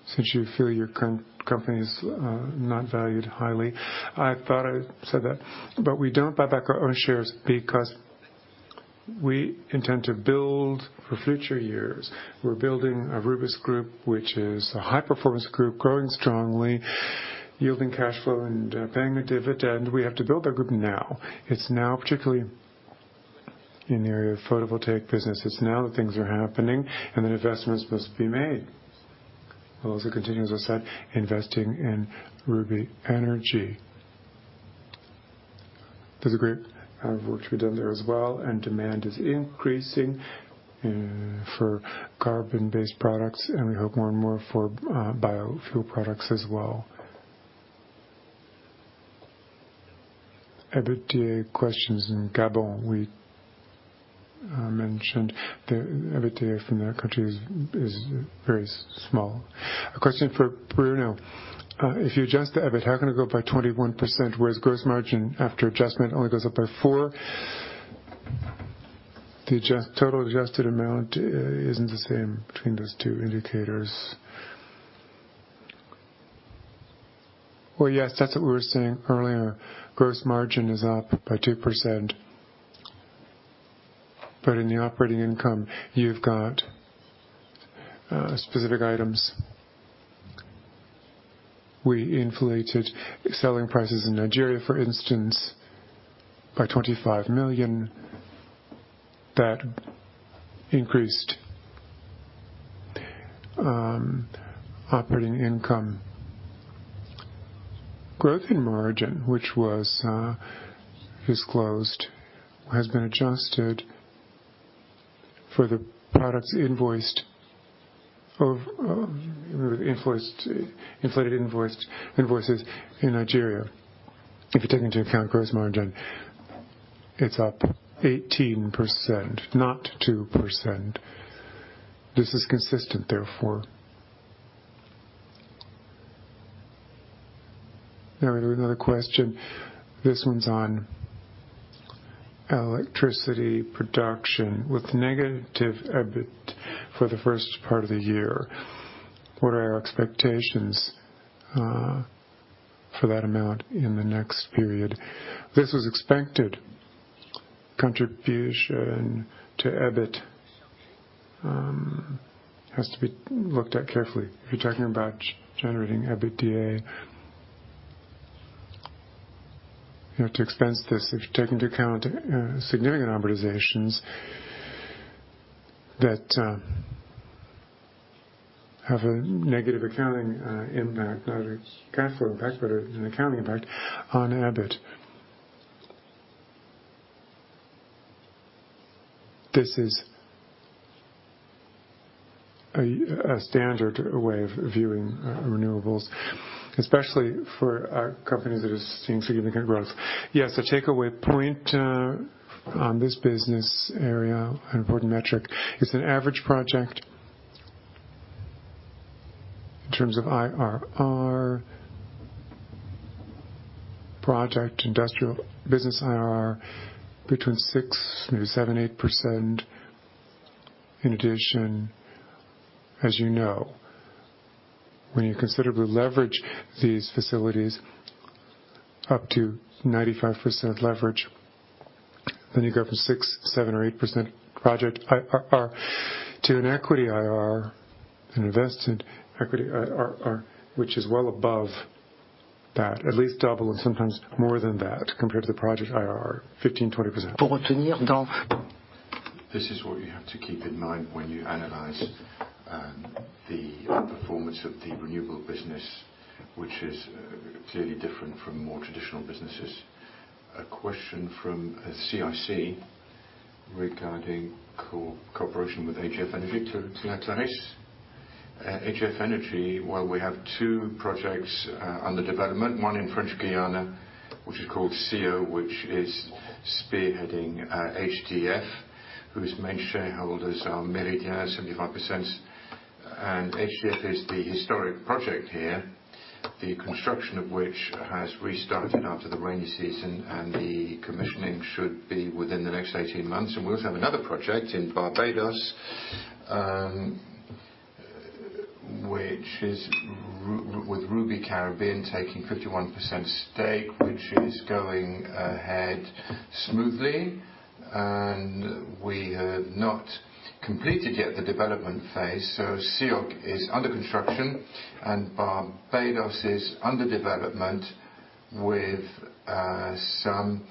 since you feel your current company is not valued highly. I thought I said that, but we don't buy back our own shares because we intend to build for future years. We're building a Rubis Group, which is a high-performance group, growing strongly, yielding cash flow and paying a dividend. We have to build our group now. It's now, particularly in the area of photovoltaic business. It's now that things are happening, and the investments must be made. We'll also continue, as I said, investing in Rubis Énergie. There's a great amount of work to be done there as well, and demand is increasing for carbon-based products, and we hope more and more for biofuel products as well. EBITDA questions in Gabon. We mentioned the EBITDA from that country is very small. A question for Bruno. If you adjust the EBIT, how can it go up by 21%, whereas gross margin after adjustment only goes up by 4%? The total adjusted amount isn't the same between those two indicators. Well, yes, that's what we were saying earlier. Gross margin is up by 2%. But in the operating income, you've got specific items. We inflated selling prices in Nigeria, for instance, by 25 million. That increased operating income. Growth in margin, which was disclosed, has been adjusted for the products invoiced of inflated invoices in Nigeria. If you take into account gross margin, it's up 18%, not 2%. This is consistent, therefore. Now, we have another question. This one's on electricity production. With negative EBIT for the first part of the year, what are our expectations for that amount in the next period? This was expected. Contribution to EBIT has to be looked at carefully. You're talking about generating EBITDA. You have to expense this if you take into account significant amortizations that have a negative accounting impact, not a cash flow impact, but an accounting impact on EBIT. This is a standard way of viewing renewables, especially for a company that is seeing significant growth. Yes, a takeaway point on this business area, an important metric, is an average project in terms of IRR, project, industrial business IRR between 6%, maybe 7%, 8%. In addition, as you know, when you considerably leverage these facilities up to 95% leverage, then you go from 6%, 7%, or 8% project IRR to an equity IRR, an invested equity IRR, which is well above that, at least double, and sometimes more than that, compared to the project IRR, 15%-20%. This is what you have to keep in mind when you analyze the performance of the renewable business, which is clearly different from more traditional businesses. A question from CIC regarding cooperation with HDF Energy. HDF Energy, well, we have two projects under development, one in French Guyana, which is called CEOG, which is spearheading HDF.... whose main shareholders are Meridiam, 75%, and HDF is the historic project here, the construction of which has restarted after the rainy season, and the commissioning should be within the next 18 months. We also have another project in Barbados, which is with Rubis Caribbean taking 51% stake, which is going ahead smoothly, and we have not completed yet the development phase. CEOG is under construction, and Barbados is under development with some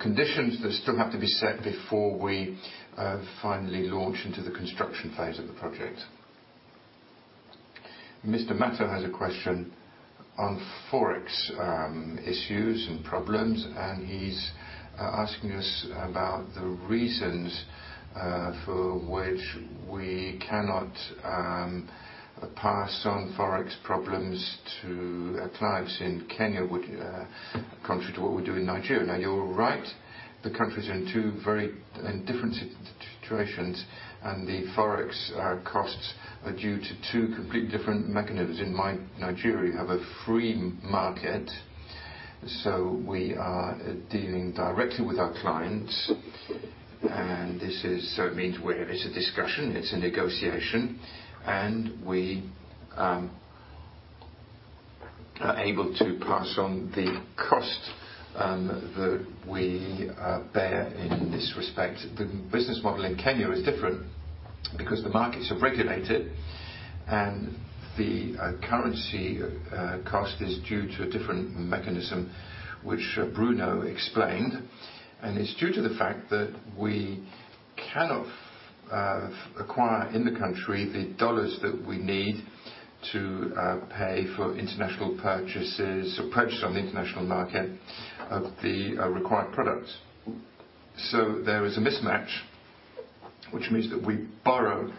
conditions that still have to be set before we finally launch into the construction phase of the project. Mr. Matot has a question on Forex issues and problems, and he's asking us about the reasons for which we cannot pass on Forex problems to our clients in Kenya, would, contrary to what we do in Nigeria. Now, you're right, the countries are in two very different situations, and the forex costs are due to two completely different mechanisms. In Nigeria, we have a free market, so we are dealing directly with our clients, and this is so it means we're, it's a discussion, it's a negotiation, and we are able to pass on the cost that we bear in this respect. The business model in Kenya is different because the markets are regulated, and the currency cost is due to a different mechanism, which Bruno explained. And it's due to the fact that we cannot acquire in the country the dollars that we need to pay for international purchases or purchase on the international market the required products. So there is a mismatch, which means that we borrow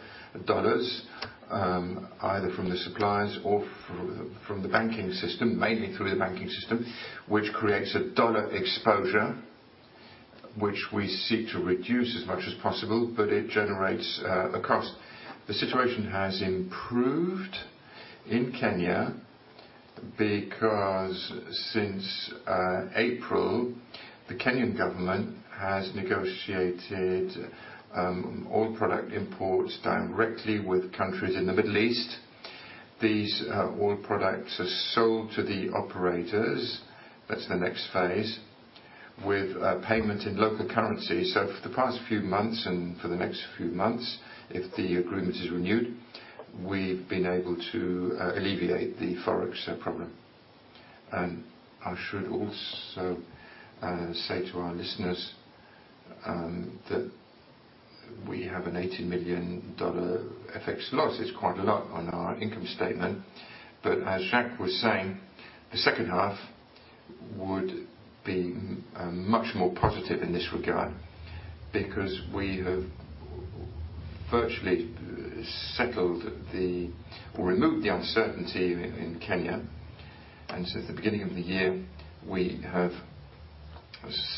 dollars, either from the suppliers or from, from the banking system, mainly through the banking system, which creates a dollar exposure, which we seek to reduce as much as possible, but it generates a cost. The situation has improved in Kenya because since April, the Kenyan government has negotiated all product imports directly with countries in the Middle East. These oil products are sold to the operators. That's the next phase, with payment in local currency. So for the past few months, and for the next few months, if the agreement is renewed, we've been able to alleviate the Forex problem. And I should also say to our listeners that we have an $80 million FX loss. It's quite a lot on our income statement, but as Jacques was saying, the second half would be much more positive in this regard because we have virtually settled the or removed the uncertainty in Kenya. Since the beginning of the year, we have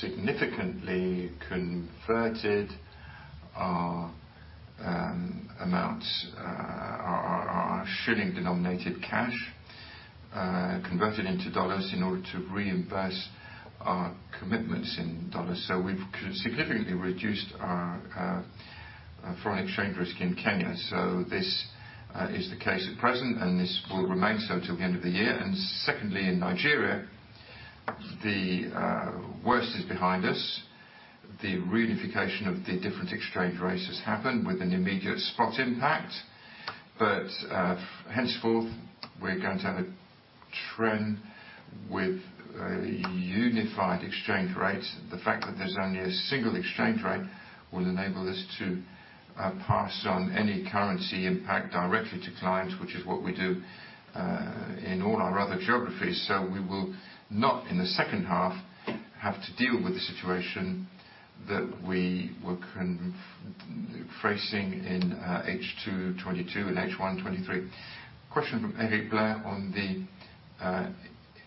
significantly converted our amounts, our shilling-denominated cash, converted into dollars in order to reimburse our commitments in dollars. So we've significantly reduced our foreign exchange risk in Kenya. So this is the case at present, and this will remain so till the end of the year. And secondly, in Nigeria, the worst is behind us. The reunification of the different exchange rates has happened with an immediate spot impact, but henceforth, we're going to have a trend with a unified exchange rate. The fact that there's only a single exchange rate will enable us to pass on any currency impact directly to clients, which is what we do in all our other geographies. So we will not, in the second half, have to deal with the situation that we were facing in H2 2022 and H1 2023. Question from Eric Lemarié on the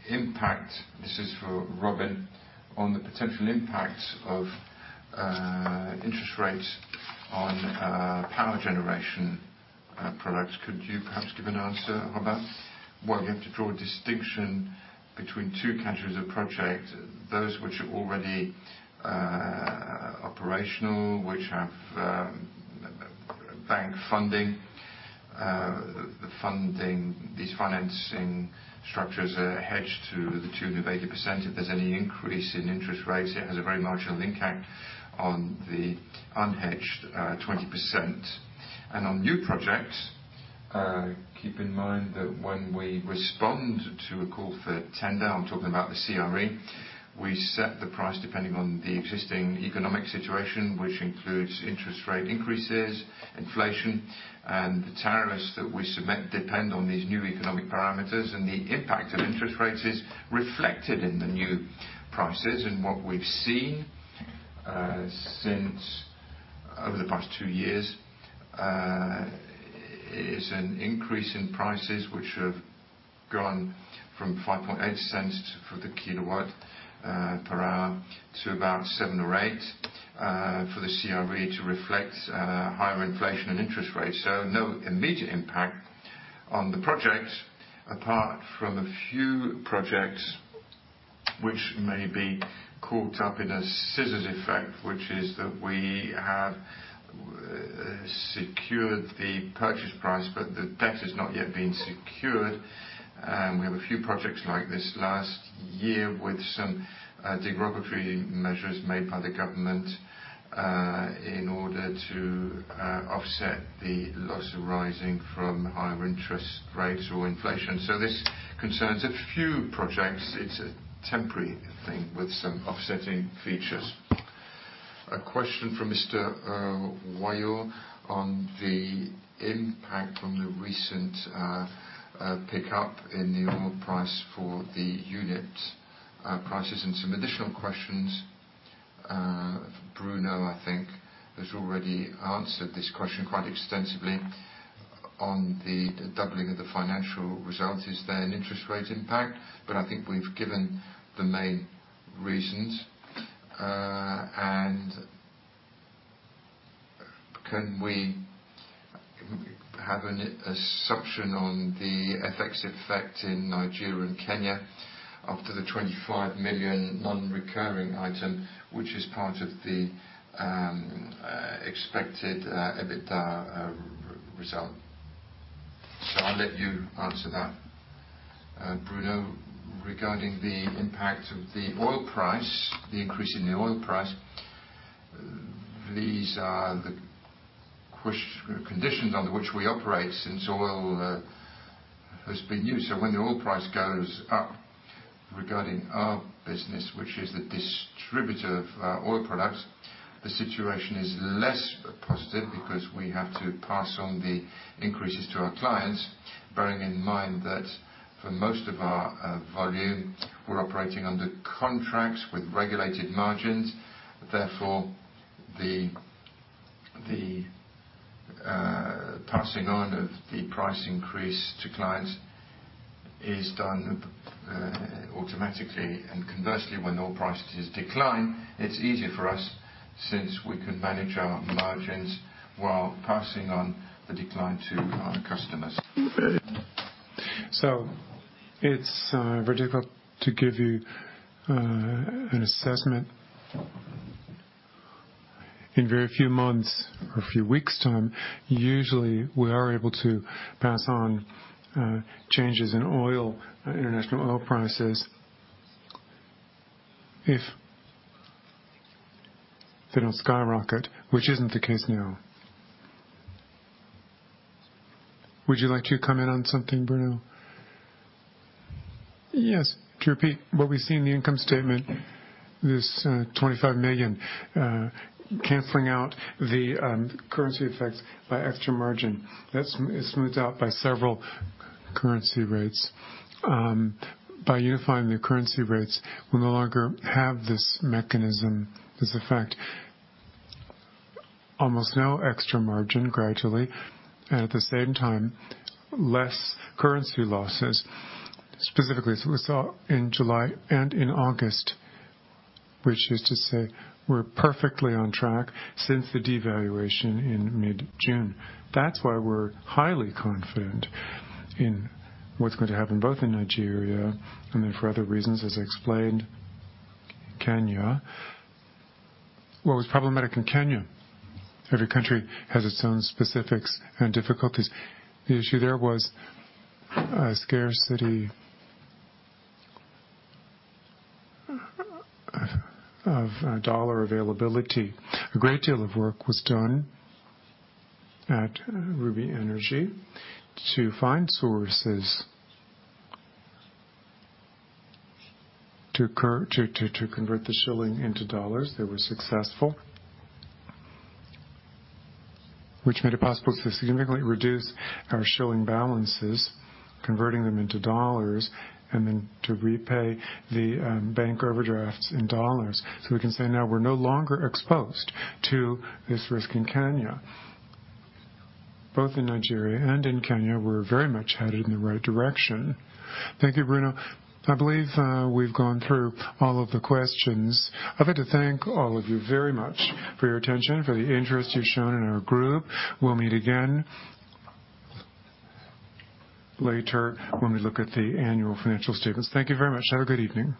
impact, this is for Robin, on the potential impact of interest rates on power generation products. Could you perhaps give an answer, Robin? Well, you have to draw a distinction between two categories of projects, those which are already operational, which have bank funding. The funding, these financing structures are hedged to the tune of 80%. If there's any increase in interest rates, it has a very marginal impact on the unhedged 20%. On new projects, keep in mind that when we respond to a call for tender, I'm talking about the CRE, we set the price depending on the existing economic situation, which includes interest rate increases, inflation, and the tariffs that we submit depend on these new economic parameters, and the impact of interest rates is reflected in the new prices. What we've seen since over the past two years is an increase in prices which have gone from €0.058/kWh to about €0.07 or €0.08/kWh for the CRE to reflect higher inflation and interest rates. So no immediate impact on the project, apart from a few projects which may be caught up in a scissors effect, which is that we have secured the purchase price, but the debt has not yet been secured. We have a few projects like this last year with some regulatory measures made by the government in order to offset the loss arising from higher interest rates or inflation. So this concerns a few projects. It's a temporary thing with some offsetting features. A question from Mr. Royot. So I'll let you answer that, Bruno, regarding the impact of the oil price, the increase in the oil price. These are the conditions under which we operate since oil has been used. So when the oil price goes up regarding our business, which is the distributor of oil products, the situation is less positive because we have to pass on the increases to our clients. Bearing in mind that for most of our volume, we're operating under contracts with regulated margins. Therefore, the passing on of the price increase to clients is done automatically, and conversely, when oil prices decline, it's easier for us since we can manage our margins while passing on the decline to our customers. It's very difficult to give you an assessment. In very few months or a few weeks' time, usually, we are able to pass on changes in oil, international oil prices, if they don't skyrocket, which isn't the case now. Would you like to comment on something, Bruno? Yes. To repeat what we see in the income statement, this 25 million, canceling out the currency effects by extra margin, that's, it's smoothed out by several currency rates. By unifying the currency rates, we no longer have this mechanism, this effect. Almost no extra margin, gradually, and at the same time, less currency losses, specifically, as we saw in July and in August, which is to say, we're perfectly on track since the devaluation in mid-June. That's why we're highly confident in what's going to happen both in Nigeria and then for other reasons, as I explained, Kenya. What was problematic in Kenya? Every country has its own specifics and difficulties. The issue there was a scarcity of dollar availability. A great deal of work was done at Rubis Énergie to find sources to convert the shilling into dollars. They were successful. Which made it possible to significantly reduce our shilling balances, converting them into dollars, and then to repay the bank overdrafts in dollars. So we can say now we're no longer exposed to this risk in Kenya. Both in Nigeria and in Kenya, we're very much headed in the right direction. Thank you, Bruno. I believe, we've gone through all of the questions. I'd like to thank all of you very much for your attention, for the interest you've shown in our group. We'll meet again later when we look at the annual financial statements. Thank you very much. Have a good evening.